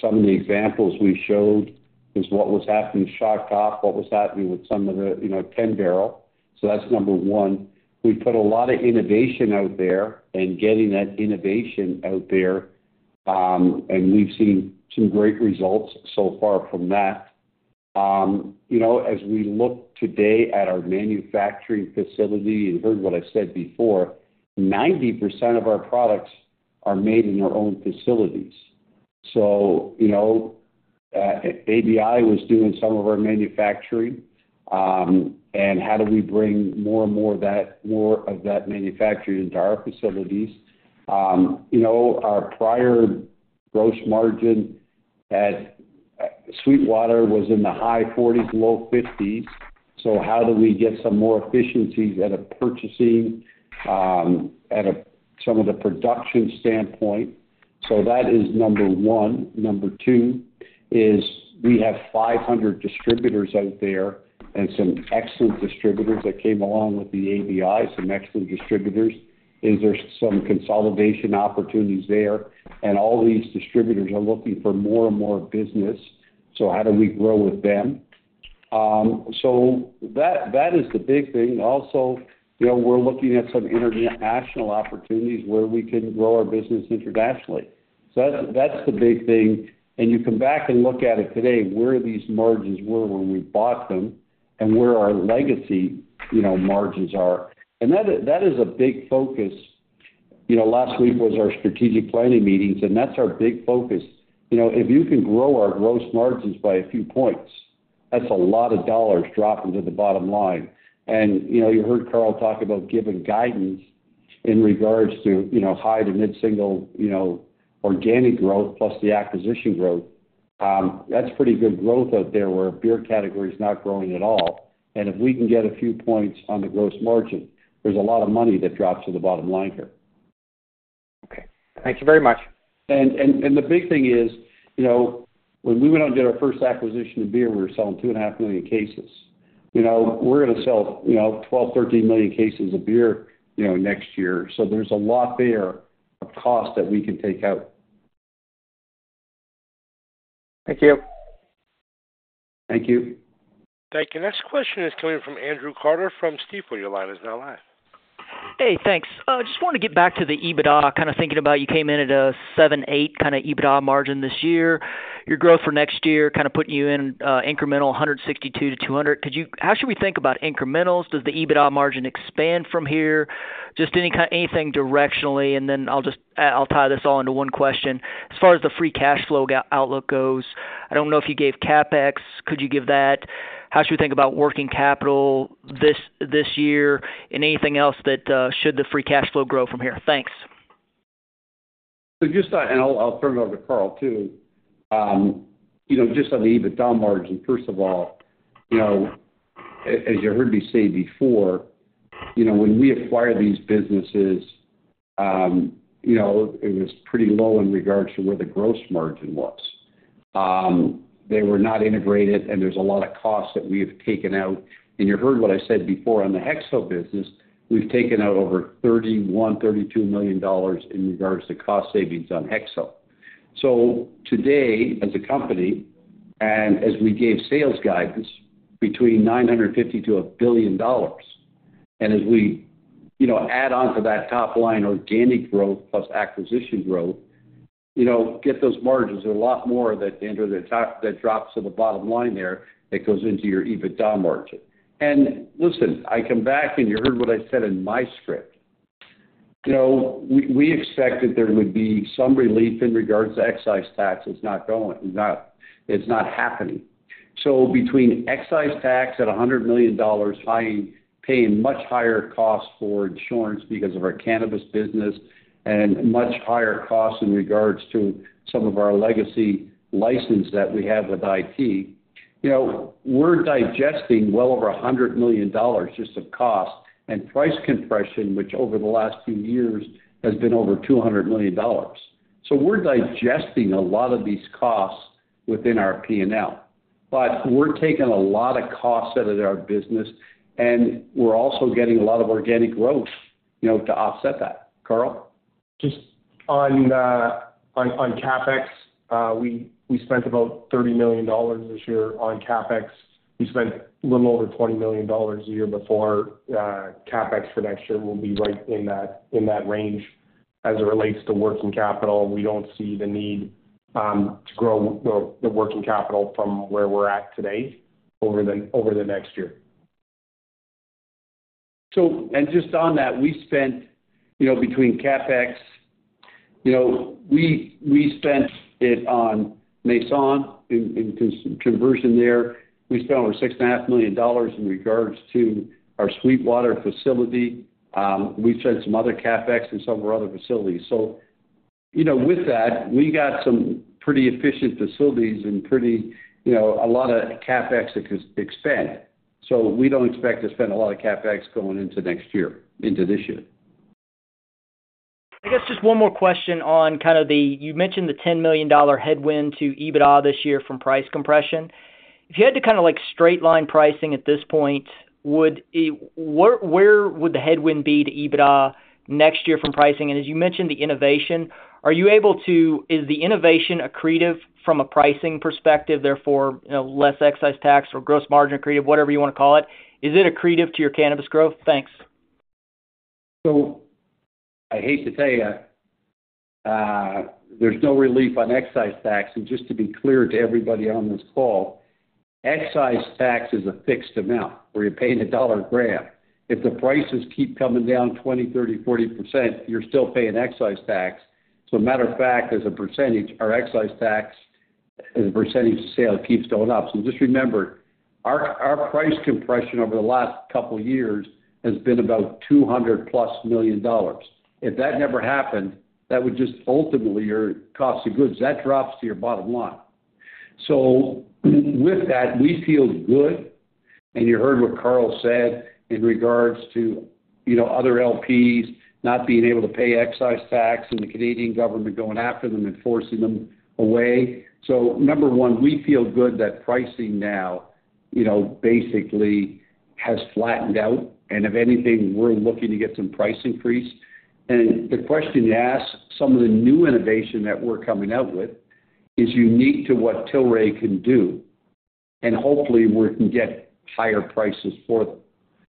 Some of the examples we showed is what was happening with Shock Top, what was happening with some of the 10 Barrel. So that's number one. We put a lot of innovation out there and getting that innovation out there, and we've seen some great results so far from that. As we look today at our manufacturing facility, you heard what I said before, 90% of our products are made in our own facilities. So ABI was doing some of our manufacturing, and how do we bring more and more of that manufacturing into our facilities? Our prior gross margin at SweetWater was in the high 40s%, low 50s%. So how do we get some more efficiencies at purchasing, at some of the production standpoint? So that is number one. Number two is we have 500 distributors out there and some excellent distributors that came along with the ABI, some excellent distributors. Is there some consolidation opportunities there? And all these distributors are looking for more and more business, so how do we grow with them? So that is the big thing. Also, we're looking at some international opportunities where we can grow our business internationally. So that's the big thing. And you come back and look at it today, where are these margins were when we bought them and where our legacy margins are? And that is a big focus. Last week was our strategic planning meetings, and that's our big focus. If you can grow our gross margins by a few points, that's a lot of dollars dropping to the bottom line. You heard Carl talk about giving guidance in regards to high- to mid-single organic growth plus the acquisition growth. That's pretty good growth out there where beer category is not growing at all. And if we can get a few points on the gross margin, there's a lot of money that drops to the bottom line here. Okay. Thank you very much. And the big thing is when we went out and did our first acquisition of beer, we were selling 2.5 million cases. We're going to sell 12-13 million cases of beer next year. So there's a lot there of cost that we can take out. Thank you. Thank you. Thank you. Next question is coming from Andrew Carter from Stifel. Your line is now live. Hey, thanks. Just wanted to get back to the EBITDA, kind of thinking about you came in at a 7%-8% kind of EBITDA margin this year. Your growth for next year, kind of putting you in incremental $162 million-$200 million. How should we think about incrementals? Does the EBITDA margin expand from here? Just anything directionally. And then I'll tie this all into one question. As far as the free cash flow outlook goes, I don't know if you gave CapEx. Could you give that? How should we think about working capital this year and anything else that should the free cash flow grow from here? Thanks. So just on, and I'll turn it over to Carl too, just on the EBITDA margin, first of all, as you heard me say before, when we acquired these businesses, it was pretty low in regards to where the gross margin was. They were not integrated, and there's a lot of costs that we have taken out. You heard what I said before on the Hexo business. We've taken out over $31-$32 million in regards to cost savings on Hexo. So today, as a company and as we gave sales guidance, between $950-$1 billion. As we add on to that top line organic growth plus acquisition growth, get those margins. There's a lot more that drops to the bottom line there that goes into your EBITDA margin. Listen, I come back and you heard what I said in my script. We expected there would be some relief in regards to excise tax. It's not happening. So between excise tax at $100 million, paying much higher costs for insurance because of our cannabis business and much higher costs in regards to some of our legacy license that we have with ABI, we're digesting well over $100 million just of cost and price compression, which over the last few years has been over $200 million. So we're digesting a lot of these costs within our P&L, but we're taking a lot of costs out of our business, and we're also getting a lot of organic growth to offset that. Carl? Just on CapEx, we spent about $30 million this year on CapEx. We spent a little over $20 million a year before. CapEx for next year will be right in that range as it relates to working capital. We don't see the need to grow the working capital from where we're at today over the next year. Just on that, we spent between CapEx, we spent it on Masson in conversion there. We spent over $6.5 million in regards to our SweetWater facility. We spent some other CapEx in several other facilities. With that, we got some pretty efficient facilities and a lot of CapEx that could expand. We don't expect to spend a lot of CapEx going into next year, into this year. I guess just one more question on kind of the, you mentioned the $10 million headwind to EBITDA this year from price compression. If you had to kind of straight-line pricing at this point, where would the headwind be to EBITDA next year from pricing? And as you mentioned the innovation, are you able to, is the innovation accretive from a pricing perspective, therefore less excise tax or gross margin accretive, whatever you want to call it? Is it accretive to your cannabis growth? Thanks. So I hate to tell you, there's no relief on excise tax. And just to be clear to everybody on this call, excise tax is a fixed amount where you're paying a dollar a gram. If the prices keep coming down 20%, 30%, 40%, you're still paying excise tax. So matter of fact, as a percentage, our excise tax, as a percentage of sales, keeps going up. So just remember, our price compression over the last couple of years has been about $200 million plus. If that never happened, that would just ultimately your cost of goods. That drops to your bottom line. So with that, we feel good. And you heard what Carl said in regards to other LPs not being able to pay excise tax and the Canadian government going after them and forcing them away. So number one, we feel good that pricing now basically has flattened out. And if anything, we're looking to get some price increase. And the question you asked, some of the new innovation that we're coming out with is unique to what Tilray can do. And hopefully, we can get higher prices for them.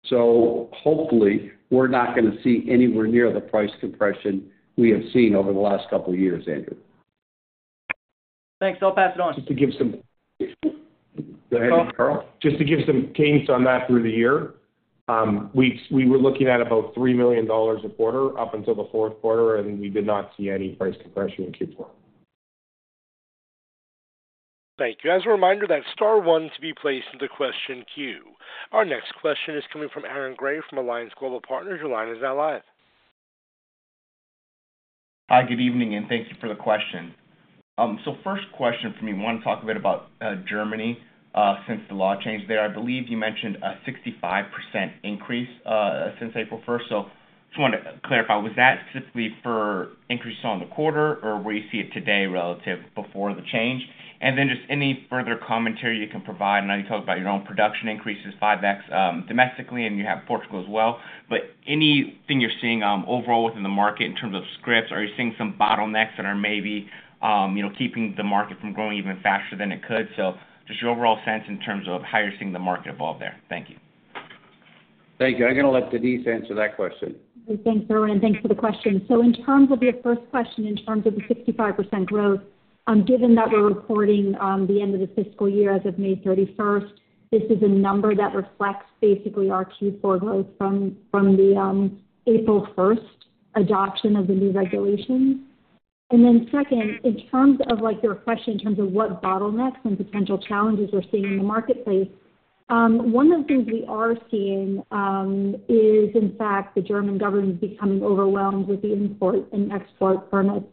So hopefully, we're not going to see anywhere near the price compression we have seen over the last couple of years, Andrew. Thanks. I'll pass it on. Just to give some, go ahead, Carl. Just to give some times on that through the year. We were looking at about $3 million a quarter up until the fourth quarter, and we did not see any price compression in Q4. Thank you. As a reminder, that's Star 1 to be placed in the question queue. Our next question is coming from Aaron Gray from Alliance Global Partners. Your line is now live. Hi, good evening, and thank you for the question. So first question for me, I want to talk a bit about Germany since the law changed there. I believe you mentioned a 65% increase since April 1st. So just wanted to clarify, was that simply for increases on the quarter, or will you see it today relative before the change? And then just any further commentary you can provide. I know you talked about your own production increases, 5X domestically, and you have Portugal as well. But anything you're seeing overall within the market in terms of scripts? Are you seeing some bottlenecks that are maybe keeping the market from growing even faster than it could? So just your overall sense in terms of how you're seeing the market evolve there. Thank you. Thank you. I'm going to let Denise answer that question. Thanks, Irwin. Thanks for the question. So in terms of your first question, in terms of the 65% growth, given that we're reporting the end of the fiscal year as of May 31st, this is a number that reflects basically our Q4 growth from the April 1st adoption of the new regulations. And then second, in terms of your question in terms of what bottlenecks and potential challenges we're seeing in the marketplace, one of the things we are seeing is, in fact, the German government becoming overwhelmed with the import and export permits,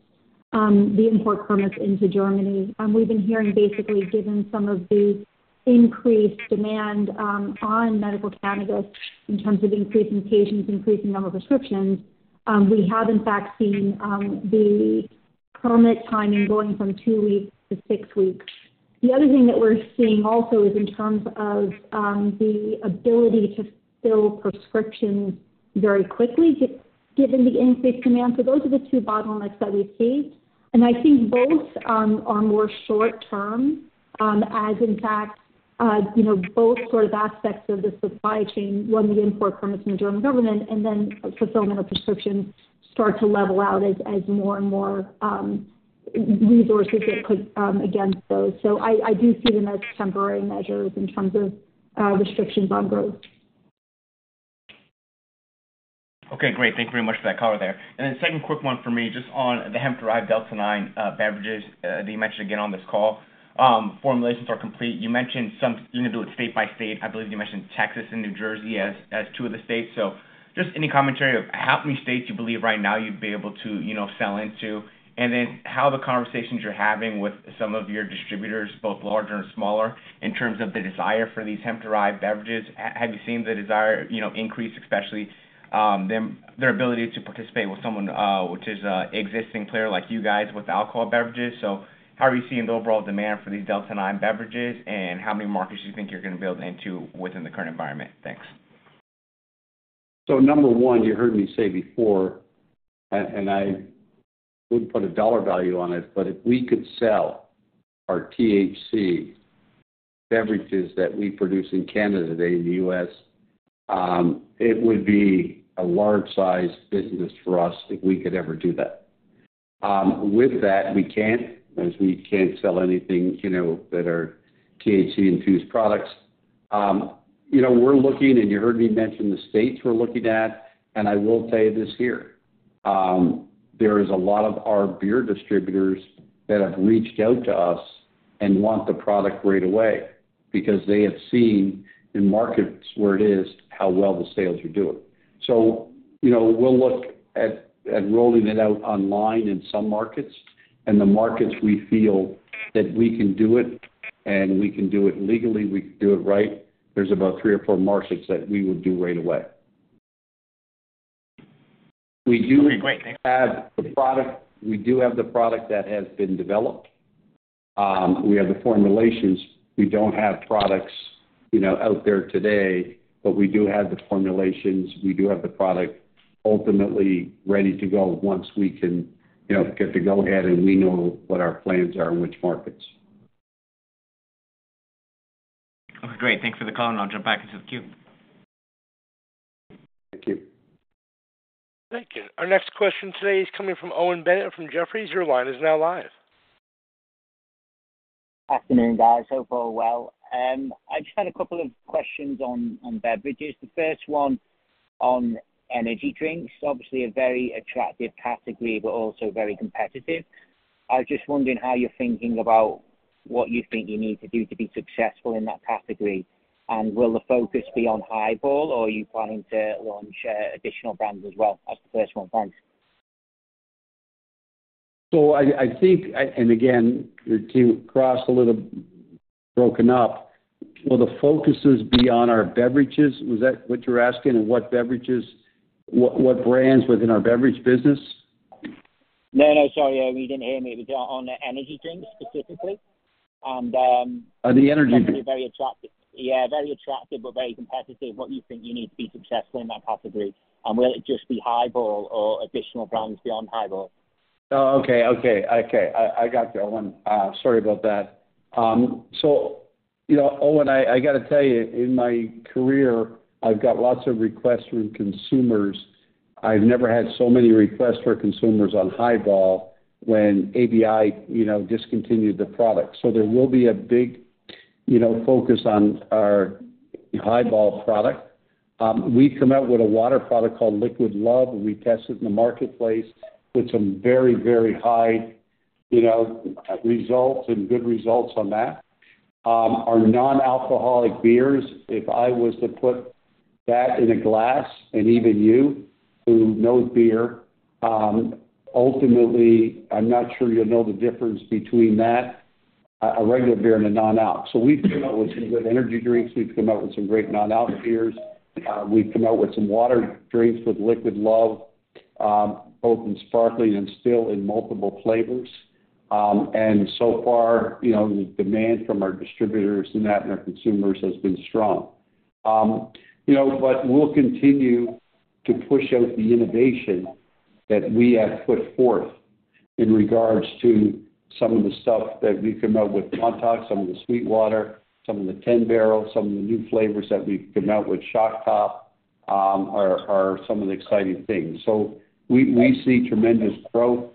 the import permits into Germany. We've been hearing basically, given some of the increased demand on medical cannabis in terms of increasing patients, increasing number of prescriptions, we have, in fact, seen the permit timing going from two weeks to six weeks. The other thing that we're seeing also is in terms of the ability to fill prescriptions very quickly, given the increased demand. So those are the two bottlenecks that we see. And I think both are more short-term, as in fact, both sort of aspects of the supply chain, when the import permits from the German government and then fulfillment of prescriptions start to level out as more and more resources get put against those. So I do see them as temporary measures in terms of restrictions on growth. Okay. Great. Thank you very much for that, Carl, there. And then second quick one for me, just on the hemp-derived delta-9 beverages that you mentioned again on this call, formulations are complete. You mentioned some you're going to do it state by state. I believe you mentioned Texas and New Jersey as two of the states. Just any commentary on how many states you believe right now you'd be able to sell into? And then how the conversations you're having with some of your distributors, both larger and smaller, in terms of the desire for these hemp-derived beverages? Have you seen the desire increase, especially their ability to participate with someone, which is an existing player like you guys, with alcohol beverages? So how are you seeing the overall demand for these delta-9 beverages, and how many markets do you think you're going to build into within the current environment? Thanks. Number one, you heard me say before, and I wouldn't put a dollar value on it, but if we could sell our THC beverages that we produce in Canada today in the U.S., it would be a large-sized business for us if we could ever do that. With that, we can't, as we can't sell anything that are THC-infused products. We're looking, and you heard me mention the states we're looking at. I will tell you this here. There is a lot of our beer distributors that have reached out to us and want the product right away because they have seen in markets where it is how well the sales are doing. We'll look at rolling it out online in some markets. The markets we feel that we can do it, and we can do it legally, we can do it right, there's about three or four markets that we would do right away. We do have the product. We do have the product that has been developed. We have the formulations. We don't have products out there today, but we do have the formulations. We do have the product ultimately ready to go once we can get the go-ahead, and we know what our plans are and which markets. Okay. Great. Thanks for the call, and I'll jump back into the queue. Thank you. Thank you. Our next question today is coming from Owen Bennett from Jefferies. Your line is now live. Afternoon, guys. Hope all well. I just had a couple of questions on beverages. The first one on energy drinks, obviously a very attractive category, but also very competitive. I was just wondering how you're thinking about what you think you need to do to be successful in that category. And will the focus be on Highball, or are you planning to launch additional brands as well? That's the first one. Thanks. So I think, and again, your team across a little broken up. Will the focus be on our beverages? Was that what you're asking? And what brands within our beverage business? No, no. Sorry. We didn't hear you. On the energy drinks specifically. And the energy drinks. Yeah. Very attractive, but very competitive. What do you think you need to be successful in that category? And will it just be Highball or additional brands beyond Highball? Oh, okay. Okay. Okay. I got you, Owen. Sorry about that. So Owen, I got to tell you, in my career, I've got lots of requests from consumers. I've never had so many requests from consumers on Highball when ABI discontinued the product. So there will be a big focus on our Highball product. We come out with a water product called Liquid Love. We test it in the marketplace with some very, very high results and good results on that. Our non-alcoholic beers, if I was to put that in a glass, and even you who know beer, ultimately, I'm not sure you'll know the difference between that, a regular beer, and a non-alc. So we've come out with some good energy drinks. We've come out with some great non-alc beers. We've come out with some water drinks with Liquid Love, both in sparkling and still in multiple flavors. And so far, the demand from our distributors and that and our consumers has been strong. But we'll continue to push out the innovation that we have put forth in regards to some of the stuff that we've come out with Montauk, some of the SweetWater, some of the 10 Barrel, some of the new flavors that we've come out with Shock Top, are some of the exciting things. So we see tremendous growth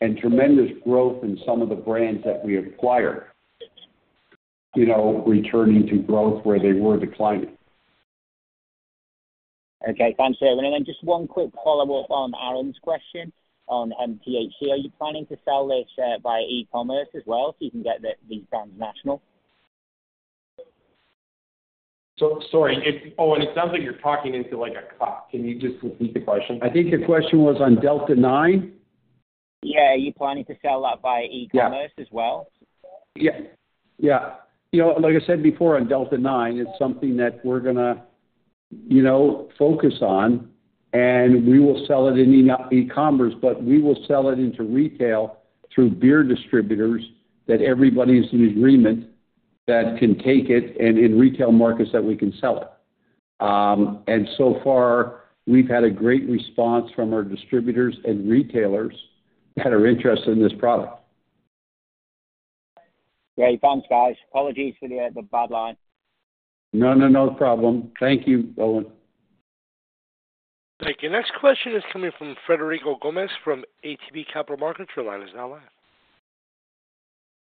and tremendous growth in some of the brands that we acquired, returning to growth where they were declining. Okay. Thanks, Irwin. And then just one quick follow-up on Aaron's question on THC. Are you planning to sell this via e-commerce as well so you can get these brands national? Sorry. Owen, it sounds like you're talking into a mic. Can you just repeat the question? I think the question was on delta-9. Yeah. Are you planning to sell that via e-commerce as well? Yeah. Yeah. Like I said before, on delta-9, it's something that we're going to focus on, and we will sell it in e-commerce, but we will sell it into retail through beer distributors that everybody is in agreement that can take it and in retail markets that we can sell it. So far, we've had a great response from our distributors and retailers that are interested in this product. Great. Thanks, guys. Apologies for the bad line. No, no, no problem. Thank you, Owen. Thank you. Next question is coming from Frederico Gomes from ATB Capital Markets. Your line is now live.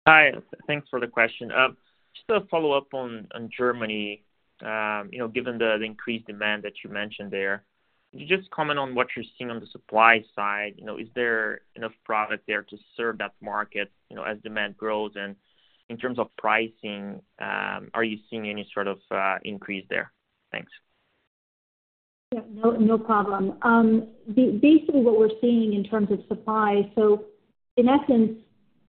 Hi. Thanks for the question. Just a follow-up on Germany, given the increased demand that you mentioned there. Could you just comment on what you're seeing on the supply side? Is there enough product there to serve that market as demand grows? And in terms of pricing, are you seeing any sort of increase there? Thanks. Yeah. No problem. Basically, what we're seeing in terms of supply, so in essence,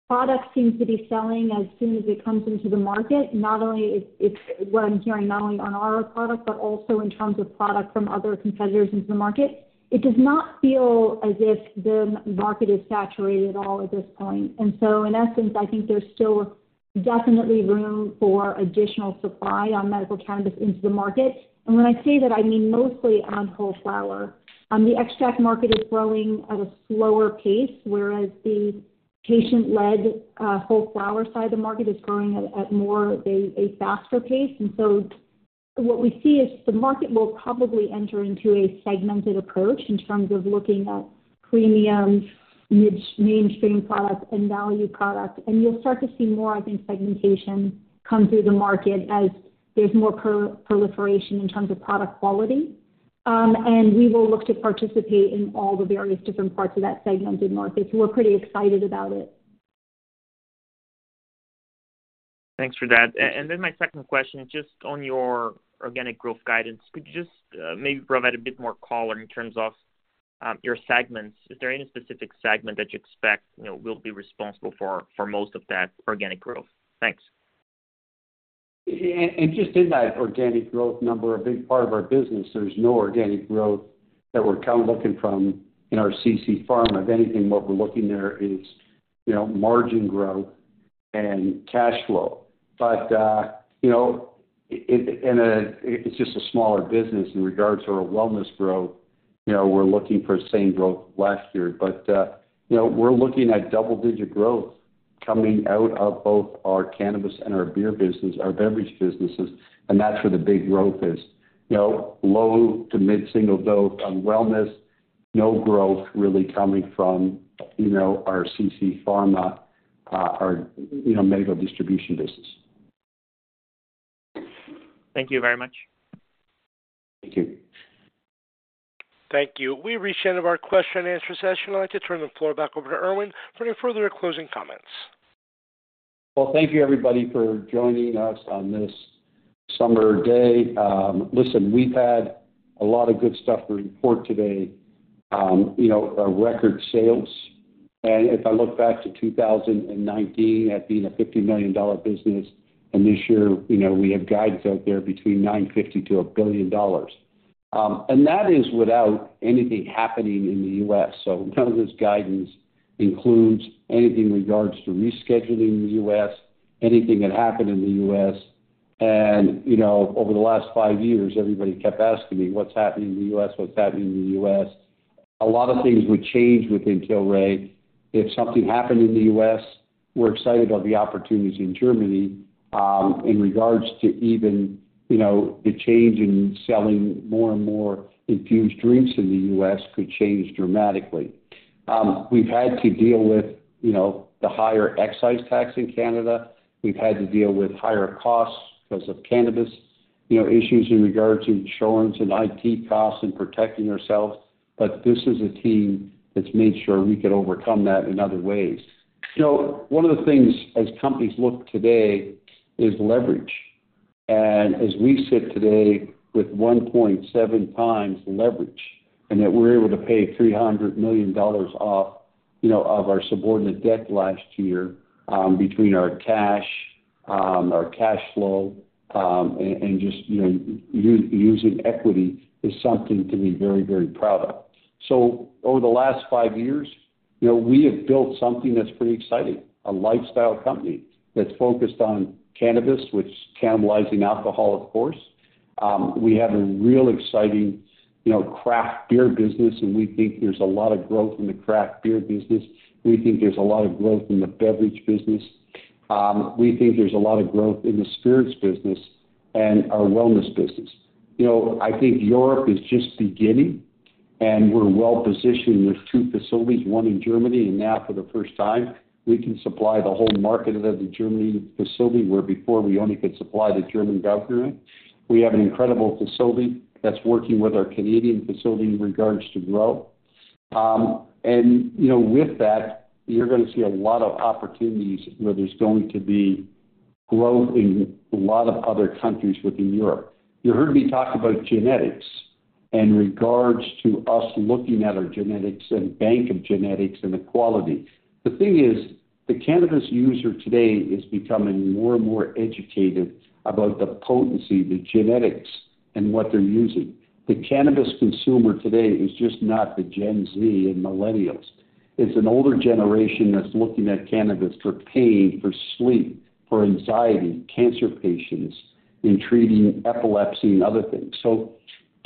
product seems to be selling as soon as it comes into the market. What I'm hearing, not only on our product, but also in terms of product from other competitors into the market, it does not feel as if the market is saturated at all at this point. And so in essence, I think there's still definitely room for additional supply on medical cannabis into the market. And when I say that, I mean mostly on whole flower. The extract market is growing at a slower pace, whereas the patient-led whole flower side of the market is growing at a faster pace. And so what we see is the market will probably enter into a segmented approach in terms of looking at premium, mainstream products, and value products. And you'll start to see more, I think, segmentation come through the market as there's more proliferation in terms of product quality. And we will look to participate in all the various different parts of that segment in North East. We're pretty excited about it. Thanks for that. And then my second question is just on your organic growth guidance. Could you just maybe provide a bit more color in terms of your segments? Is there any specific segment that you expect will be responsible for most of that organic growth? Thanks. And just in that organic growth number, a big part of our business, there's no organic growth that we're kind of looking from in our CC Pharma. If anything, what we're looking there is margin growth and cash flow. But it's just a smaller business in regards to our wellness growth. We're looking for the same growth last year. But we're looking at double-digit growth coming out of both our cannabis and our beer business, our beverage businesses. That's where the big growth is. Low to mid-single digits on wellness, no growth really coming from our CC Pharma, our medical distribution business. Thank you very much. Thank you. Thank you. We reached the end of our question-and-answer session. I'd like to turn the floor back over to Irwin for any further closing comments. Well, thank you, everybody, for joining us on this summer day. Listen, we've had a lot of good stuff to report today, record sales. If I look back to 2019, that being a $50 million business. This year, we have guidance out there between $950 million-$1 billion. That is without anything happening in the U.S. So none of this guidance includes anything in regards to rescheduling in the U.S., anything that happened in the U.S. Over the last five years, everybody kept asking me, "What's happening in the US? What's happening in the US?" A lot of things would change with Tilray. If something happened in the US, we're excited about the opportunities in Germany in regards to even the change in selling more and more infused drinks in the US could change dramatically. We've had to deal with the higher excise tax in Canada. We've had to deal with higher costs because of cannabis issues in regards to insurance and IT costs and protecting ourselves. But this is a team that's made sure we could overcome that in other ways. One of the things as companies look today is leverage. As we sit today with 1.7 times leverage and that we're able to pay $300 million off of our subordinate debt last year between our cash, our cash flow, and just using equity is something to be very, very proud of. So over the last five years, we have built something that's pretty exciting, a lifestyle company that's focused on cannabis, which is cannibalizing alcohol, of course. We have a real exciting craft beer business, and we think there's a lot of growth in the craft beer business. We think there's a lot of growth in the beverage business. We think there's a lot of growth in the spirits business and our wellness business. I think Europe is just beginning, and we're well-positioned with two facilities, one in Germany. And now, for the first time, we can supply the whole market out of the German facility where before we only could supply the German government. We have an incredible facility that's working with our Canadian facility in regards to grow. And with that, you're going to see a lot of opportunities where there's going to be growth in a lot of other countries within Europe. You heard me talk about genetics in regards to us looking at our genetics and bank of genetics and the quality. The thing is, the cannabis user today is becoming more and more educated about the potency, the genetics, and what they're using. The cannabis consumer today is just not the Gen Z and millennials. It's an older generation that's looking at cannabis for pain, for sleep, for anxiety, cancer patients, in treating epilepsy and other things. So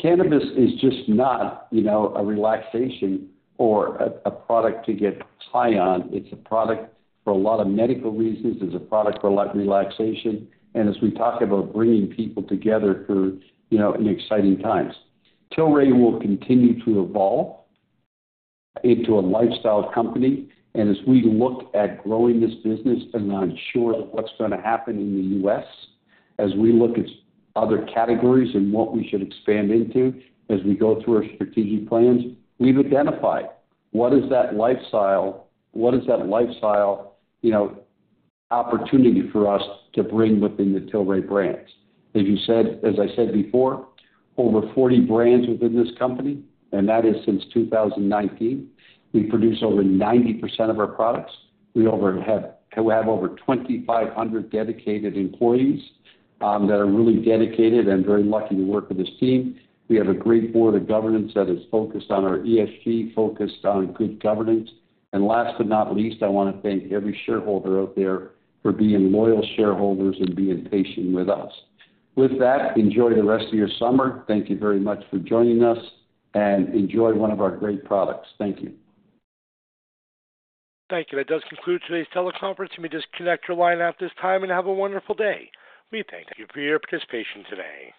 cannabis is just not a relaxation or a product to get high on. It's a product for a lot of medical reasons. It's a product for a lot of relaxation. And as we talk about bringing people together through exciting times, Tilray will continue to evolve into a lifestyle company. And as we look at growing this business and ensure that what's going to happen in the US, as we look at other categories and what we should expand into as we go through our strategic plans, we've identified what is that lifestyle, what is that lifestyle opportunity for us to bring within the Tilray Brands. As I said before, over 40 brands within this company, and that is since 2019. We produce over 90% of our products. We have over 2,500 dedicated employees that are really dedicated and very lucky to work with this team. We have a great board of governance that is focused on our ESG, focused on good governance. Last but not least, I want to thank every shareholder out there for being loyal shareholders and being patient with us. With that, enjoy the rest of your summer. Thank you very much for joining us, and enjoy one of our great products. Thank you. Thank you. That does conclude today's teleconference. You may just connect your line at this time and have a wonderful day. We thank you for your participation today.